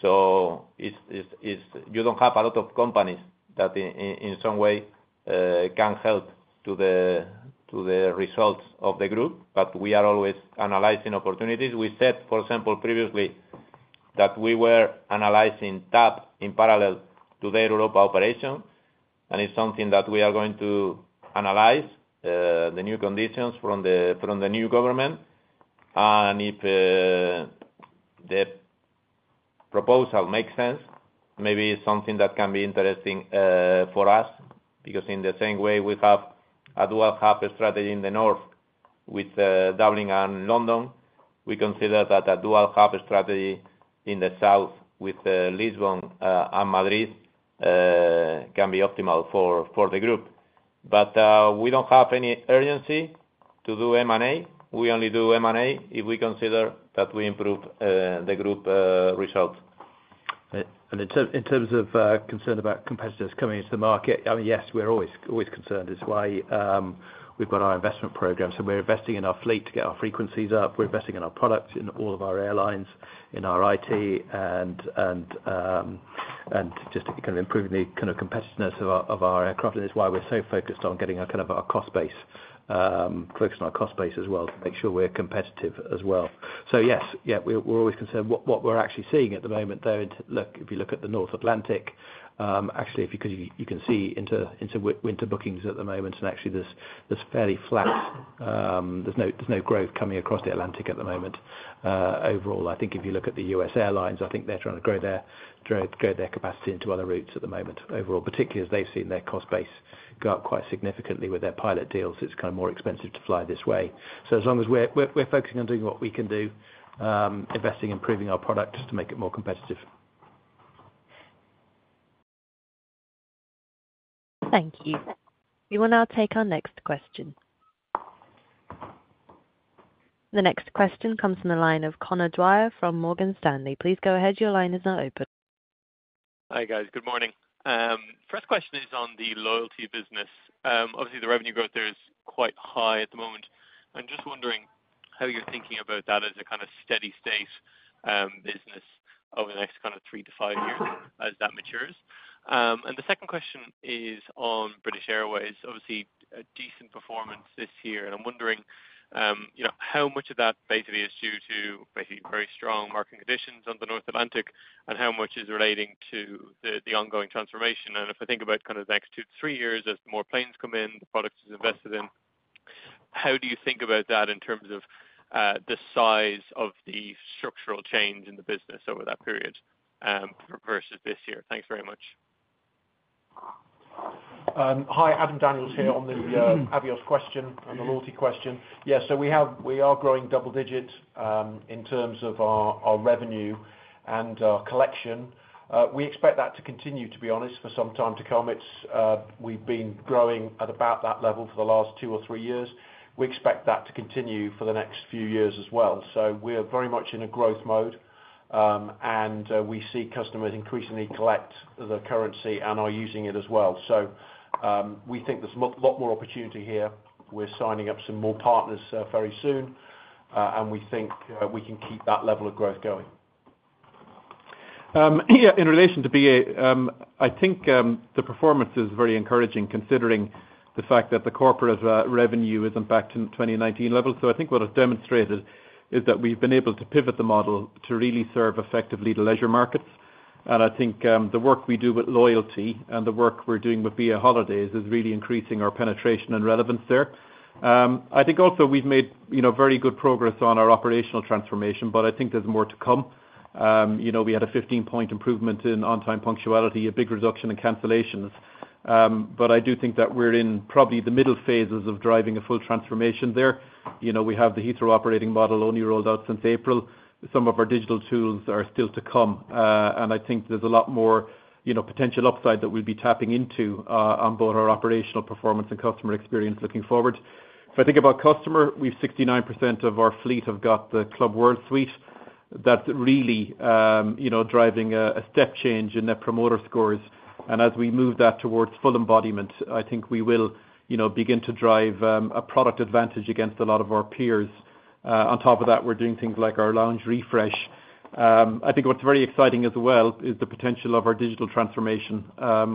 So it's, you don't have a lot of companies that in some way can help to the results of the group. But we are always analyzing opportunities. We said, for example, previously, that we were analyzing TAP in parallel to the Europa operation, and it's something that we are going to analyze the new conditions from the new government. And if the proposal makes sense, maybe it's something that can be interesting for us, because in the same way, we have a dual hub strategy in the North with Dublin and London. We consider that a dual hub strategy in the South with Lisbon and Madrid can be optimal for the group. But we don't have any urgency to do M&A. We only do M&A if we consider that we improve the group result. In terms of concern about competitors coming into the market, I mean, yes, we're always, always concerned. It's why we've got our investment program. So we're investing in our fleet to get our frequencies up. We're investing in our products, in all of our airlines, in our IT, and just to kind of improve the kind of competitiveness of our, of our aircraft. And it's why we're so focused on getting a kind of our cost base, focusing on our cost base as well, to make sure we're competitive as well. So yes, yeah, we're, we're always concerned. What we're actually seeing at the moment, though, look, if you look at the North Atlantic, actually, if you could, you can see into winter bookings at the moment, and actually there's fairly flat. There's no growth coming across the Atlantic at the moment. Overall, I think if you look at the U.S. airlines, I think they're trying to grow their capacity into other routes at the moment, overall, particularly as they've seen their cost base go up quite significantly with their pilot deals, it's kind of more expensive to fly this way. So as long as we're focusing on doing what we can do, investing, improving our product to make it more competitive. Thank you. We will now take our next question. The next question comes from the line of Conor Dwyer from Morgan Stanley. Please go ahead. Your line is now open. Hi, guys. Good morning. First question is on the loyalty business. Obviously, the revenue growth there is quite high at the moment. I'm just wondering how you're thinking about that as a kind of steady state business over the next kind of three to five years as that matures? And the second question is on British Airways. Obviously, a decent performance this year, and I'm wondering, you know, how much of that basically is due to basically very strong market conditions on the North Atlantic, and how much is relating to the ongoing transformation? And if I think about kind of the next two to three years, as more planes come in, the product is invested in, how do you think about that in terms of the size of the structural change in the business over that period versus this year? Thanks very much. Hi, Adam Daniels here on the Avios question and the loyalty question. Yeah, so we are growing double digits in terms of our revenue and our collection. We expect that to continue, to be honest, for some time to come. We've been growing at about that level for the last two or three years. We expect that to continue for the next few years as well. So we're very much in a growth mode, and we see customers increasingly collect the currency and are using it as well. So, we think there's a lot, lot more opportunity here. We're signing up some more partners very soon, and we think we can keep that level of growth going. In relation to BA, I think the performance is very encouraging, considering the fact that the corporate revenue is impacted in 2019 levels. I think what it's demonstrated is that we've been able to pivot the model to really serve effectively the leisure markets. I think the work we do with loyalty and the work we're doing with BA Holidays is really increasing our penetration and relevance there. I think also we've made, you know, very good progress on our operational transformation, but I think there's more to come. You know, we had a 15-point improvement in on-time punctuality, a big reduction in cancellations. But I do think that we're in probably the middle phases of driving a full transformation there. You know, we have the Heathrow operating model only rolled out since April. Some of our digital tools are still to come, and I think there's a lot more, you know, potential upside that we'll be tapping into, on both our operational performance and customer experience looking forward. If I think about customer, we've 69% of our fleet have got the Club World Suite. That's really, you know, driving a step change in their promoter scores. And as we move that towards full embodiment, I think we will, you know, begin to drive, a product advantage against a lot of our peers. On top of that, we're doing things like our lounge refresh. I think what's very exciting as well is the potential of our digital transformation.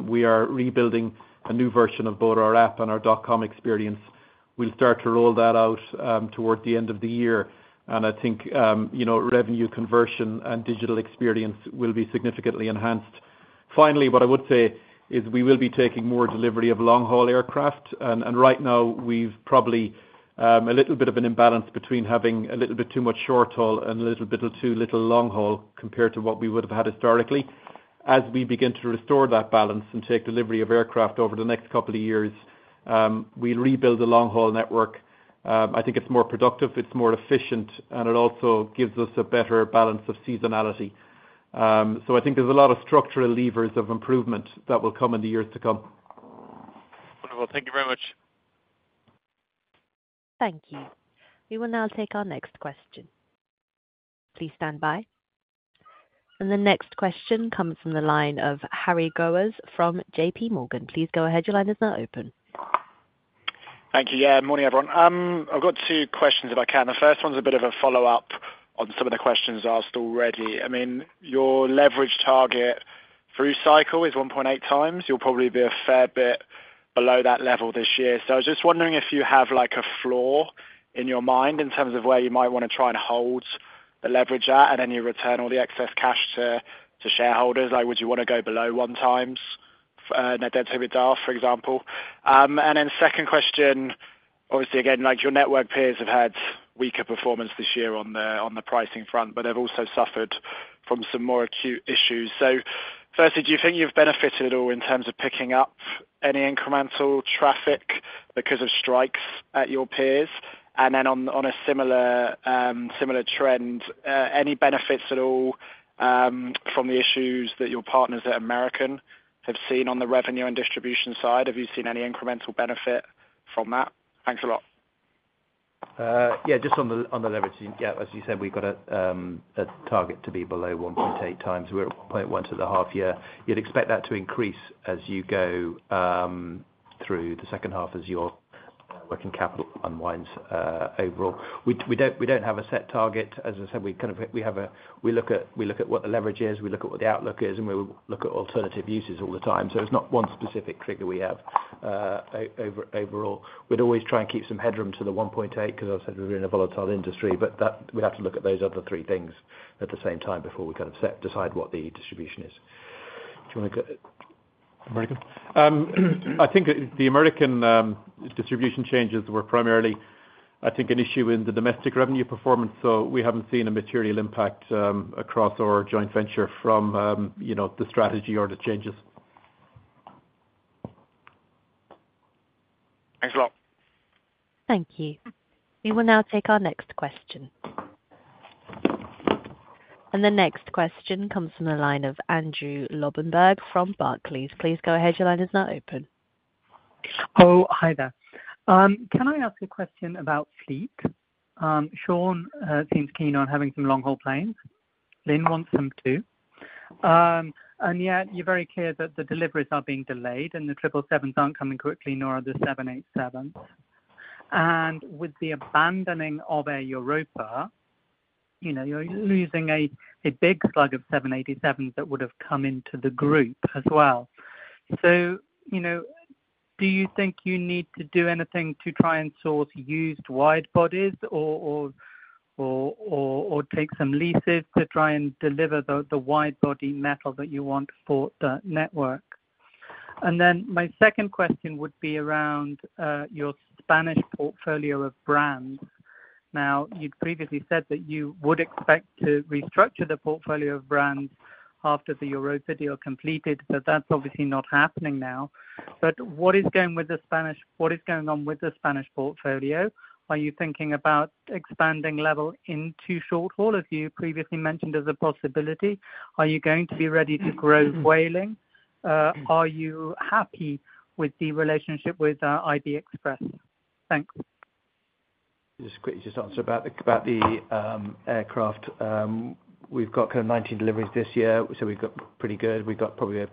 We are rebuilding a new version of both our app and our dot com experience. We'll start to roll that out, toward the end of the year, and I think, you know, revenue conversion and digital experience will be significantly enhanced. Finally, what I would say is we will be taking more delivery of long-haul aircraft. Right now, we've probably a little bit of an imbalance between having a little bit too much short haul and a little bit too little long haul compared to what we would have had historically. As we begin to restore that balance and take delivery of aircraft over the next couple of years, we rebuild the long-haul network. I think it's more productive, it's more efficient, and it also gives us a better balance of seasonality. So I think there's a lot of structural levers of improvement that will come in the years to come. Wonderful. Thank you very much. Thank you. We will now take our next question. Please stand by. The next question comes from the line of Harry Gowers from JPMorgan. Please go ahead. Your line is now open. Thank you. Yeah, morning, everyone. I've got two questions, if I can. The first one's a bit of a follow-up on some of the questions asked already. I mean, your leverage target through cycle is 1.8x. You'll probably be a fair bit below that level this year. So I was just wondering if you have, like, a floor in your mind in terms of where you might wanna try and hold the leverage at, and then you return all the excess cash to shareholders? Like, would you wanna go below 1x net debt-to-EBITDA, for example? And then second question, obviously, again, like your network peers have had weaker performance this year on the pricing front, but they've also suffered from some more acute issues. Firstly, do you think you've benefited at all in terms of picking up any incremental traffic because of strikes at your peers? Then on a similar trend, any benefits at all from the issues that your partners at American have seen on the revenue and distribution side? Have you seen any incremental benefit from that? Thanks a lot. Yeah, just on the, on the leverage, yeah, as you said, we've got a target to be below 1.8x. We're at 1.1x to the half year. You'd expect that to increase as you go through the second half as your working capital unwinds overall. We don't, we don't have a set target. As I said, we kind of, we have a—We look at what the leverage is, we look at what the outlook is, and we look at alternative uses all the time. So there's not one specific trigger we have overall. We'd always try and keep some headroom to the 1.8x, 'cause as I've said, we're in a volatile industry, but that, we'd have to look at those other three things at the same time before we kind of decide what the distribution is. Do you wanna go? American? I think the American distribution changes were primarily, I think, an issue in the domestic revenue performance, so we haven't seen a material impact across our joint venture from, you know, the strategy or the changes. Thanks a lot. Thank you. We will now take our next question. The next question comes from the line of Andrew Lobbenberg from Barclays. Please go ahead, your line is now open. Oh, hi there. Can I ask a question about fleet? Sean seems keen on having some long-haul planes. Lynne wants some too. And yet you're very clear that the deliveries are being delayed, and the 777s aren't coming quickly, nor are the 787s. And with the abandoning of Air Europa, you know, you're losing a big slug of 787s that would have come into the group as well. So, you know, do you think you need to do anything to try and source used wide bodies or take some leases to try and deliver the wide body metal that you want for the network? And then my second question would be around your Spanish portfolio of brands. Now, you'd previously said that you would expect to restructure the portfolio of brands after the Europa deal completed, but that's obviously not happening now. But what is going with the Spanish? What is going on with the Spanish portfolio? Are you thinking about expanding LEVEL into short haul, as you previously mentioned, as a possibility? Are you going to be ready to grow Vueling? Are you happy with the relationship with IB Express? Thanks. Just quickly, just answer about the aircraft. We've got kind of 19 deliveries this year, so we've got pretty good. We've got probably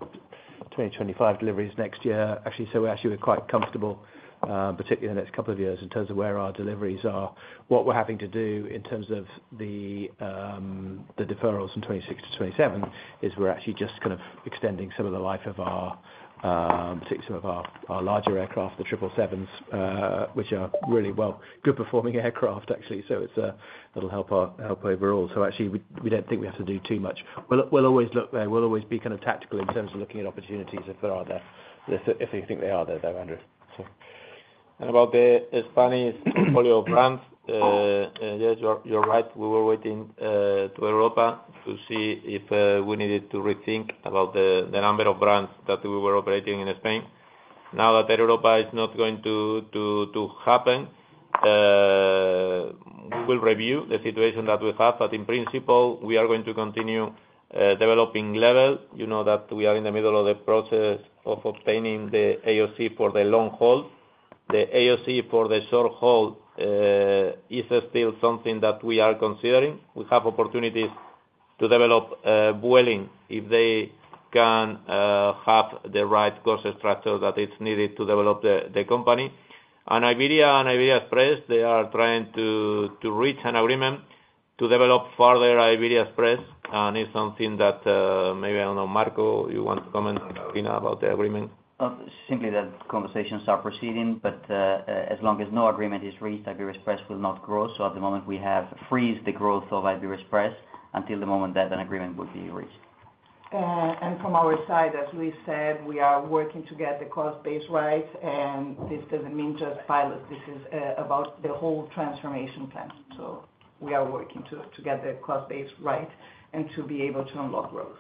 20-25 deliveries next year, actually. So actually, we're quite comfortable, particularly in the next couple of years, in terms of where our deliveries are. What we're having to do in terms of the deferrals from 2026 to 2027 is we're actually just kind of extending some of the life of our some of our larger aircraft, the 777s, which are really well, good performing aircraft actually. So it's, that'll help our—help overall. So actually, we don't think we have to do too much. We'll always look there. We'll always be kind of tactical in terms of looking at opportunities if there are there, if we think they are there, though, Andrew, so— About the Spanish portfolio brands, yes, you're right. We were waiting to Air Europa to see if we needed to rethink about the number of brands that we were operating in Spain. Now that Air Europa is not going to happen, we will review the situation that we have, but in principle, we are going to continue developing LEVEL. You know, that we are in the middle of the process of obtaining the AOC for the long haul. The AOC for the short haul is still something that we are considering. We have opportunities to develop Vueling, if they can have the right cost structure that is needed to develop the company. Iberia and Iberia Express, they are trying to reach an agreement to develop further Iberia Express, and it's something that, maybe, I don't know, Marco, you want to comment about the agreement? Simply that conversations are proceeding, but as long as no agreement is reached, Iberia Express will not grow. So at the moment, we have frozen the growth of Iberia Express until the moment that an agreement will be reached. From our side, as Luis said, we are working to get the cost base right, and this doesn't mean just pilots. This is about the whole transformation plan. So we are working to get the cost base right and to be able to unlock growth.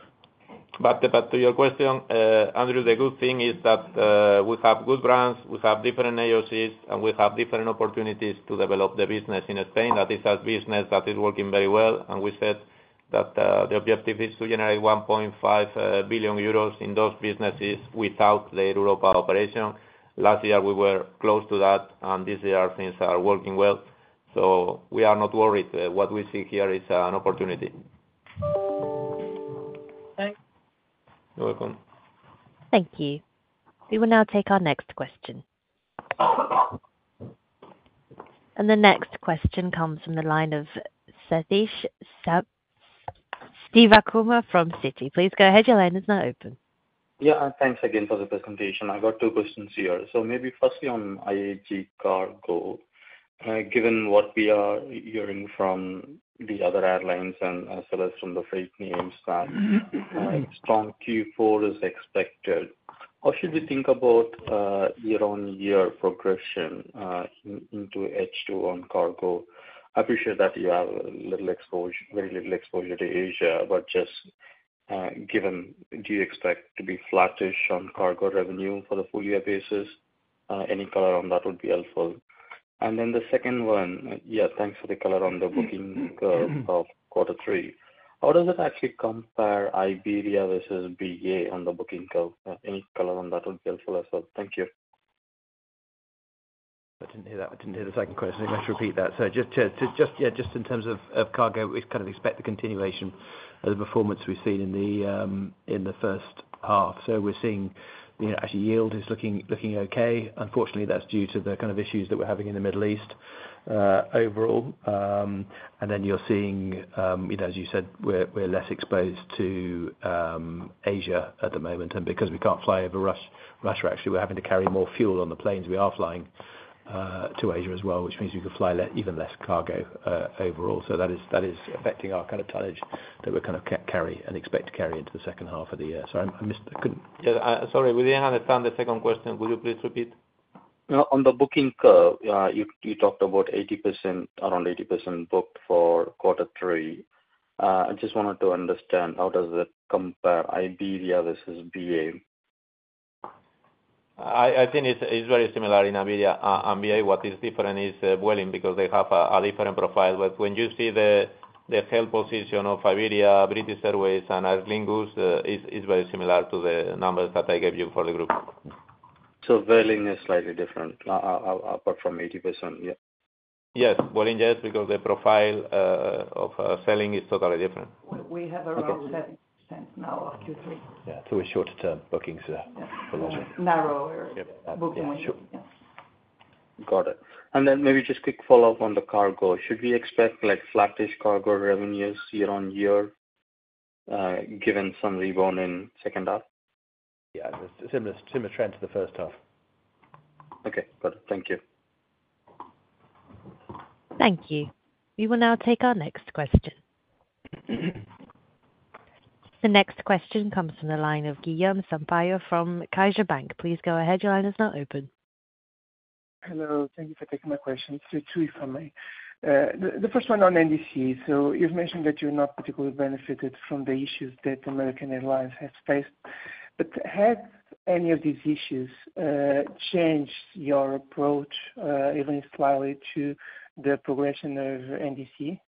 But to your question, Andrew, the good thing is that we have good brands, we have different AOCs, and we have different opportunities to develop the business in Spain. That is a business that is working very well, and we said that the objective is to generate 1.5 billion euros in those businesses without the Air Europa operation. Last year, we were close to that, and this year things are working well. So we are not worried. What we see here is an opportunity. Thank you. You're welcome. Thank you. We will now take our next question. The next question comes from the line of Sathish Sivakumar from Citi. Please go ahead, your line is now open. Yeah, and thanks again for the presentation. I've got two questions here. So maybe firstly, on IAG Cargo. Given what we are hearing from the other airlines and as well as from the freight names, that strong Q4 is expected. How should we think about year-on-year progression into H2 on cargo? I appreciate that you have little exposure—very little exposure to Asia, but just given, do you expect to be flattish on cargo revenue for the full year basis? Any color on that would be helpful. And then the second one. Yeah, thanks for the color on the booking of quarter three. How does it actually compare Iberia versus BA on the booking curve? Any color on that would be helpful as well. Thank you. I didn't hear that. I didn't hear the second question. Let's repeat that. So just to, yeah, just in terms of cargo, we kind of expect the continuation of the performance we've seen in the first half. So we're seeing, you know, actually, yield is looking okay. Unfortunately, that's due to the kind of issues that we're having in the Middle East overall. And then you're seeing, you know, as you said, we're less exposed to Asia at the moment. And because we can't fly over Russia, actually, we're having to carry more fuel on the planes we are flying to Asia as well, which means we can fly even less cargo overall. So that is affecting our kind of tonnage that we're kind of carry and expect to carry into the second half of the year. Sorry, I missed. I couldn't— Yeah, sorry, we didn't understand the second question. Will you please repeat? On the booking curve, you talked about 80%, around 80% booked for quarter three. I just wanted to understand, how does it compare Iberia versus BA? I think it's very similar in Iberia and BA. What is different is Vueling, because they have a different profile. But when you see the sale position of Iberia, British Airways and Aer Lingus, it's very similar to the numbers that I gave you for the group. So Vueling is slightly different, apart from 80%, yeah? Yes, Vueling, yes, because the profile of selling is totally different. We have around 7% now of Q3. Yeah, so a shorter-term booking, so yeah. Narrower- Yeah. -booking window. Sure. Yes. Got it. And then maybe just quick follow-up on the cargo. Should we expect, like, flattish Cargo revenues year-on-year, given some rebound in second half? Yeah, similar, similar trend to the first half. Okay, good. Thank you. Thank you. We will now take our next question. The next question comes from the line of Guilherme Sampaio from CaixaBank. Please go ahead. Your line is now open. Hello. Thank you for taking my question. It's two for me. The first one on NDC. So you've mentioned that you're not particularly benefited from the issues that American Airlines has faced. But have any of these issues changed your approach, even slightly to the progression of NDC?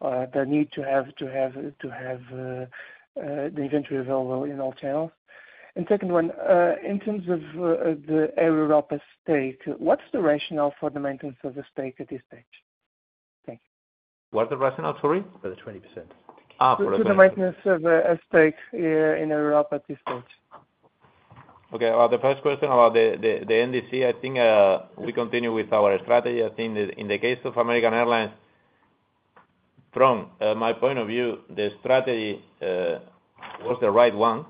The need to have the inventory available in all channels. And second one, in terms of the Aerolíneas stake, what's the rationale for the maintenance of the stake at this stage? Thank you. What's the rationale, sorry? For the 20%. Ah, for the- For the maintenance of a stake in Aerolíneas at this stage. Okay, well, the first question about the NDC, I think, we continue with our strategy. I think in the case of American Airlines, from my point of view, the strategy was the right one,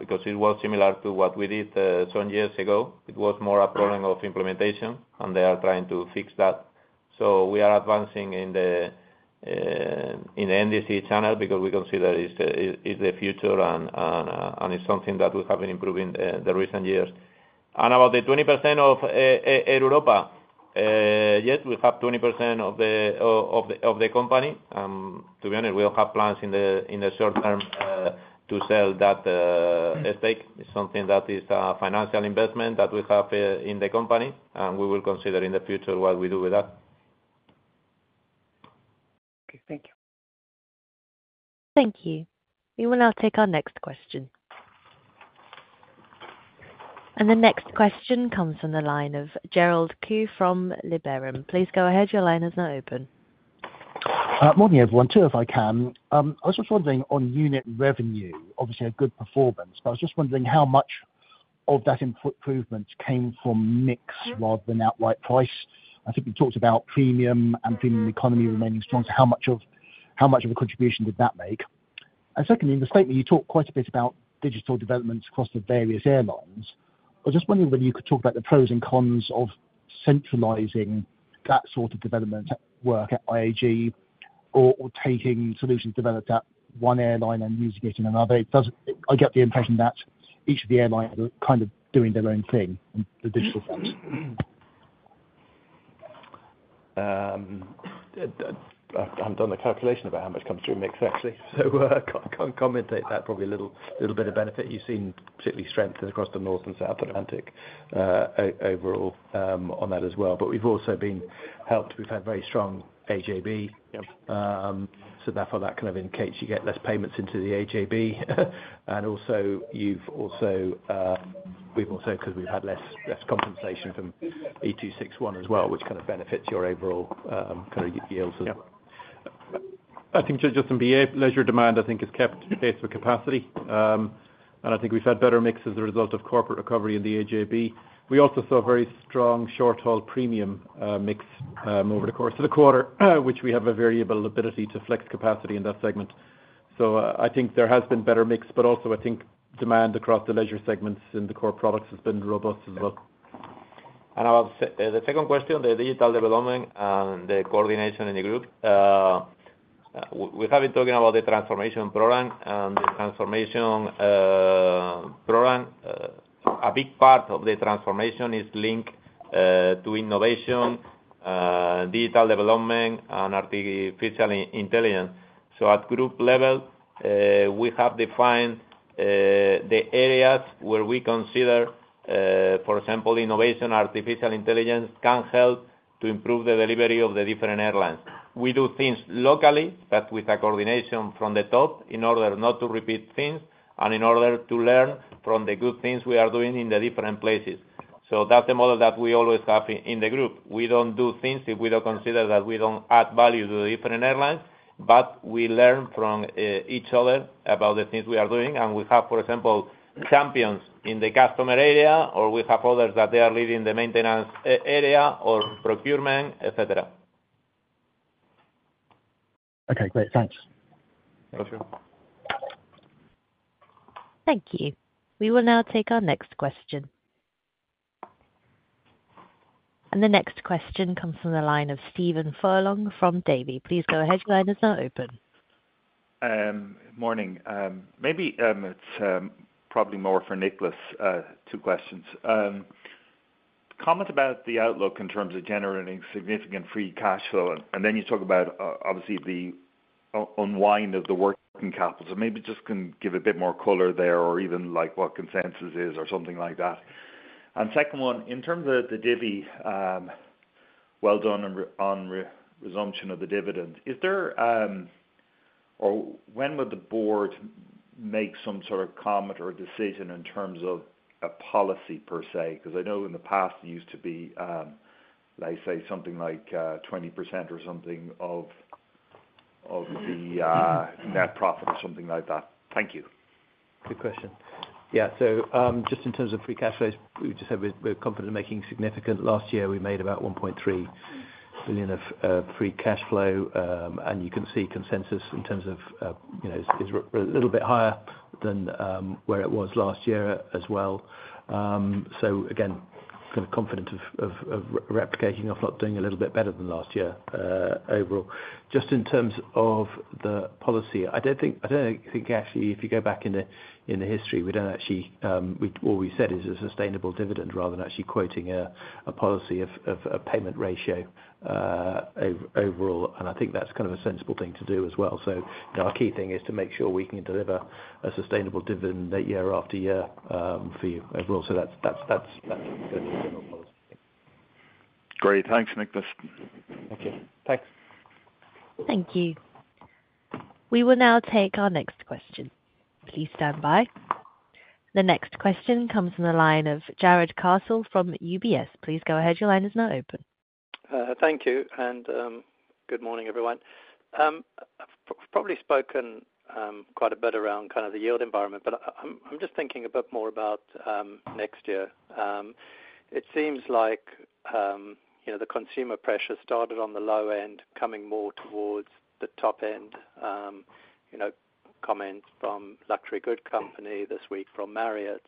because it was similar to what we did some years ago. It was more a problem of implementation, and they are trying to fix that. So we are advancing in the NDC channel because we consider it's the future and it's something that we have been improving the recent years. And about the 20% of Air Europa, yes, we have 20% of the company. To be honest, we don't have plans in the short term to sell that stake. It's something that is a financial investment that we have in the company, and we will consider in the future what we do with that. Okay. Thank you. Thank you. We will now take our next question. The next question comes from the line of Gerald Khoo from Liberum. Please go ahead. Your line is now open. Morning, everyone. Two, if I can. I was just wondering on unit revenue, obviously a good performance, but I was just wondering how much of that improvement came from mix rather than outright price? I think you talked about premium and premium economy remaining strong, so how much of a contribution did that make? And secondly, in the statement, you talked quite a bit about digital developments across the various airlines. I was just wondering whether you could talk about the pros and cons of centralizing that sort of development work at IAG or taking solutions developed at one airline and using it in another. I get the impression that each of the airlines are kind of doing their own thing in the digital front. I haven't done the calculation about how much comes through mix, actually, so, can't commentate that. Probably a little bit of benefit you've seen, particularly strengthened across the North and South Atlantic, overall, on that as well. But we've also been helped. We've had very strong AJB. Yep. So therefore, that kind of in case you get less payments into the AJB. And also, you've also, we've also, 'cause we've had less compensation from EU261 as well, which kind of benefits your overall, kind of yields as well. I think, just in BA, leisure demand, I think, has kept pace with capacity. And I think we've had better mix as a result of corporate recovery in the AJB. We also saw very strong short-haul premium mix over the course of the quarter, which we have a variable ability to flex capacity in that segment. So, I think there has been better mix, but also I think demand across the leisure segments in the core products has been robust as well. The second question, the digital development and the coordination in the group. We, we have been talking about the transformation program, and the transformation program, a big part of the transformation is linked to innovation, digital development, and artificial intelligence. So at group level, we have defined the areas where we consider, for example, innovation, artificial intelligence, can help to improve the delivery of the different airlines. We do things locally, but with a coordination from the top, in order not to repeat things, and in order to learn from the good things we are doing in the different places. So that's the model that we always have in the group. We don't do things if we don't consider that we don't add value to the different airlines, but we learn from each other about the things we are doing. We have, for example, champions in the customer area, or we have others that they are leading the maintenance area or procurement, et cetera. Okay, great. Thanks. Thank you. Thank you. We will now take our next question. The next question comes from the line of Stephen Furlong from Davy. Please go ahead, your line is now open. Morning. Maybe it's probably more for Nicholas, two questions. Comment about the outlook in terms of generating significant free cash flow, and then you talk about, obviously, the unwind of the working capital. So maybe just can give a bit more color there, or even, like, what consensus is or something like that. And second one, in terms of the divvy, well done on resumption of the dividend. Is there, or when would the board make some sort of comment or decision in terms of a policy, per se? 'Cause I know in the past it used to be, let's say something like 20% or something of the net profit or something like that. Thank you. Good question. Yeah, so, just in terms of free cash flows, we just said we're confident in making significant, last year we made about 1.3 billion of free cash flow. And you can see consensus in terms of, you know, is a little bit higher than where it was last year as well. So again, kind of confident of replicating or if not doing a little bit better than last year, overall. Just in terms of the policy, I don't think, I don't think actually, if you go back in the, in the history, we don't actually, all we said is a sustainable dividend, rather than actually quoting a policy of a payment ratio, overall, and I think that's kind of a sensible thing to do as well. So, our key thing is to make sure we can deliver a sustainable dividend year after year for you overall. So that's Great. Thanks, Nicholas. Thank you. Thanks. Thank you. We will now take our next question. Please stand by. The next question comes from the line of Jarrod Castle from UBS. Please go ahead, your line is now open. Thank you, and good morning, everyone. Probably spoken quite a bit around kind of the yield environment, but I'm just thinking a bit more about next year. It seems like, you know, the consumer pressure started on the low end, coming more towards the top end. You know, comments from luxury good company this week, from Marriott,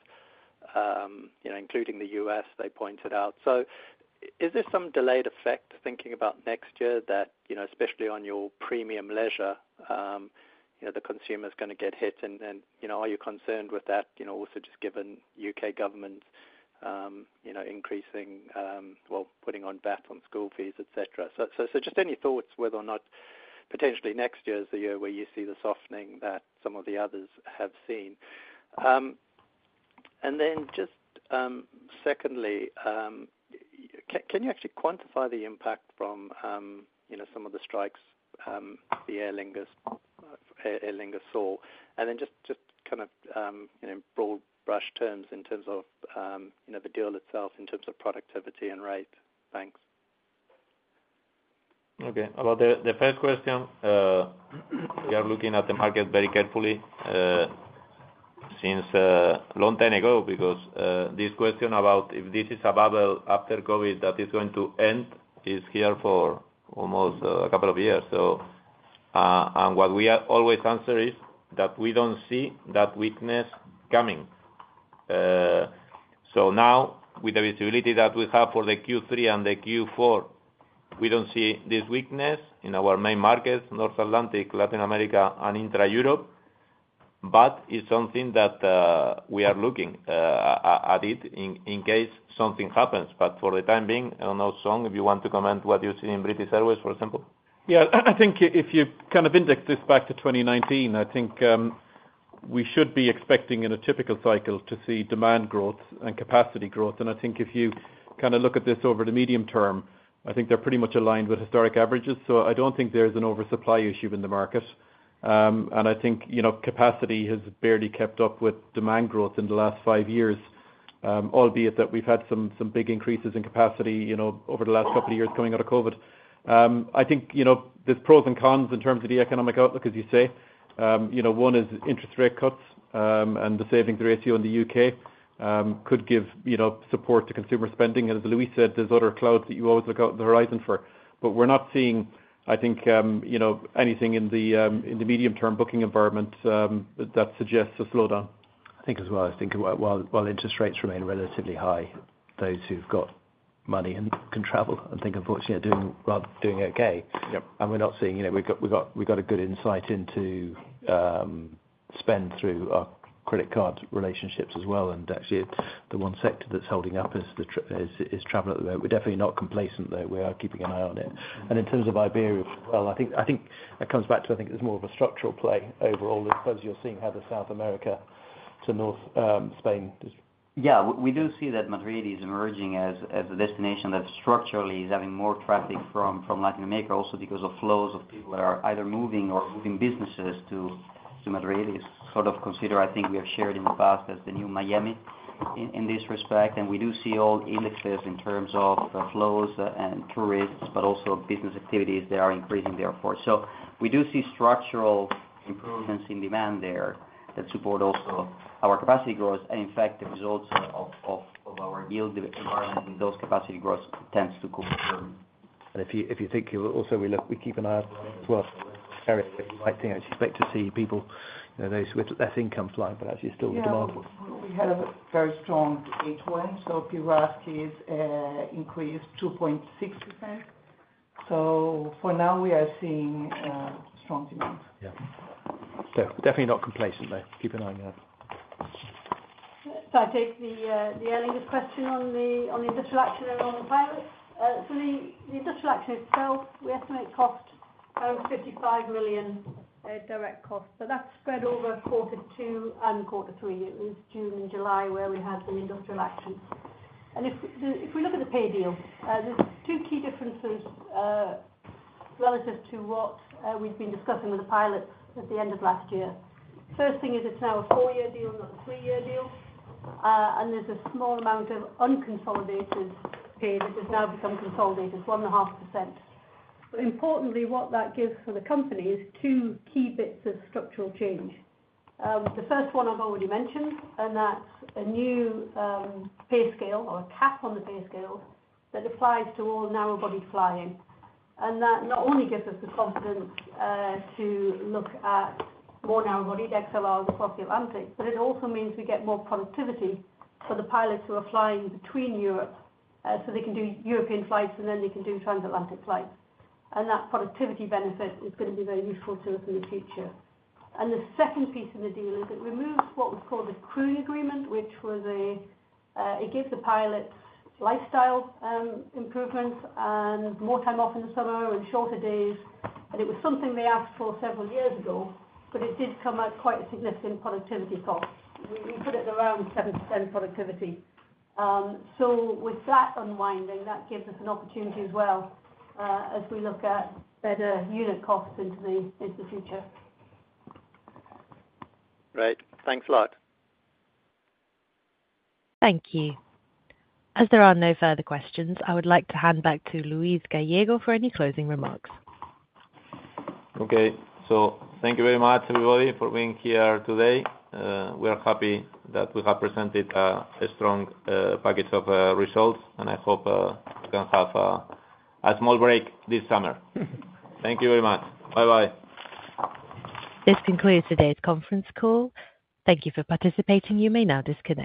you know, including the U.S., they pointed out. So is there some delayed effect thinking about next year that, you know, especially on your premium leisure, you know, the consumer's gonna get hit and, you know, are you concerned with that? You know, also just given U.K. government, you know, increasing, well, putting on VAT, on school fees, et cetera. So just any thoughts whether or not potentially next year is the year where you see the softening that some of the others have seen? And then just secondly, can you actually quantify the impact from, you know, some of the strikes, the Aer Lingus saw? And then just kind of, you know, broad brush strokes in terms of, you know, the deal itself, in terms of productivity and rate. Thanks. Okay. About the first question, we are looking at the market very carefully since a long time ago, because this question about if this is a bubble after COVID that is going to end is here for almost a couple of years. So, and what we always answer is that we don't see that weakness coming. So now, with the visibility that we have for the Q3 and the Q4, we don't see this weakness in our main markets, North Atlantic, Latin America, and intra-Europe. But it's something that we are looking at it in case something happens. But for the time being, I don't know, Sean, if you want to comment what you see in British Airways, for example? Yeah, I think if you kind of index this back to 2019, I think we should be expecting in a typical cycle to see demand growth and capacity growth. And I think if you kind of look at this over the medium term, I think they're pretty much aligned with historic averages. So I don't think there's an oversupply issue in the market. And I think, you know, capacity has barely kept up with demand growth in the last five years. Albeit that we've had some big increases in capacity, you know, over the last couple of years coming out of COVID. I think, you know, there's pros and cons in terms of the economic outlook, as you say. You know, one is interest rate cuts, and the savings ratio in the U.K. could give, you know, support to consumer spending. As Luis said, there's other clouds that you always look out the horizon for. But we're not seeing, I think, you know, anything in the medium-term booking environment that suggests a slowdown. I think as well, I think while, while interest rates remain relatively high, those who've got money and can travel, I think unfortunately are doing well, doing okay. Yep. We're not seeing, you know, we've got a good insight into spend through our credit card relationships as well. Actually, the one sector that's holding up is travel at the moment. We're definitely not complacent, though. We are keeping an eye on it. In terms of Iberia as well, I think it comes back to. I think there's more of a structural play overall, because you're seeing how the South America to North America, Spain. Yeah, we do see that Madrid is emerging as a destination that structurally is having more traffic from Latin America, also because of flows of people that are either moving or moving businesses to Madrid. It's sort of considered, I think we have shared in the past, as the New Miami in this respect. And we do see all indices in terms of the flows and tourists, but also business activities that are increasing therefore. So we do see structural improvements in demand there that support also our capacity growth, and in fact, the results of our yield environment and those capacity growth tends to confirm. If you think you also, we keep an eye out as well. I think I expect to see people, you know, those with less income fly, but actually still with demand. Yeah. We had a very strong H1, so ASKs increased 2.6%. So for now, we are seeing strong demand. Yeah. So definitely not complacent, though. Keep an eye on that. Can I take the, the earlier question on the, on the industrial action and on the pilot? So the, the industrial action itself, we estimate cost around 55 million, direct costs, so that's spread over quarter two and quarter three. It was June and July, where we had the industrial action. And if we look at the pay deal, there's two key differences, relative to what, we've been discussing with the pilots at the end of last year. First thing is it's now a four-year deal, not a three-year deal. And there's a small amount of unconsolidated pay, which has now become consolidated, 1.5%. But importantly, what that gives for the company is two key bits of structural change. The first one I've already mentioned, and that's a new pay scale or a cap on the pay scale that applies to all narrow body flying. And that not only gives us the confidence to look at more narrow body XLRs across the Atlantic, but it also means we get more productivity for the pilots who are flying between Europe. So they can do European flights, and then they can do transatlantic flights. And that productivity benefit is going to be very useful to us in the future. And the second piece of the deal is it removes what was called a crew agreement, which was a it gave the pilots lifestyle improvements and more time off in the summer and shorter days. And it was something they asked for several years ago, but it did come at quite a significant productivity cost. We put it around 7% productivity. So with that unwinding, that gives us an opportunity as well, as we look at better unit costs into the future. Great. Thanks a lot. Thank you. As there are no further questions, I would like to hand back to Luis Gallego for any closing remarks. Okay. So thank you very much, everybody, for being here today. We are happy that we have presented a strong package of results, and I hope we can have a small break this summer. Thank you very much. Bye-bye. This concludes today's conference call. Thank you for participating. You may now disconnect.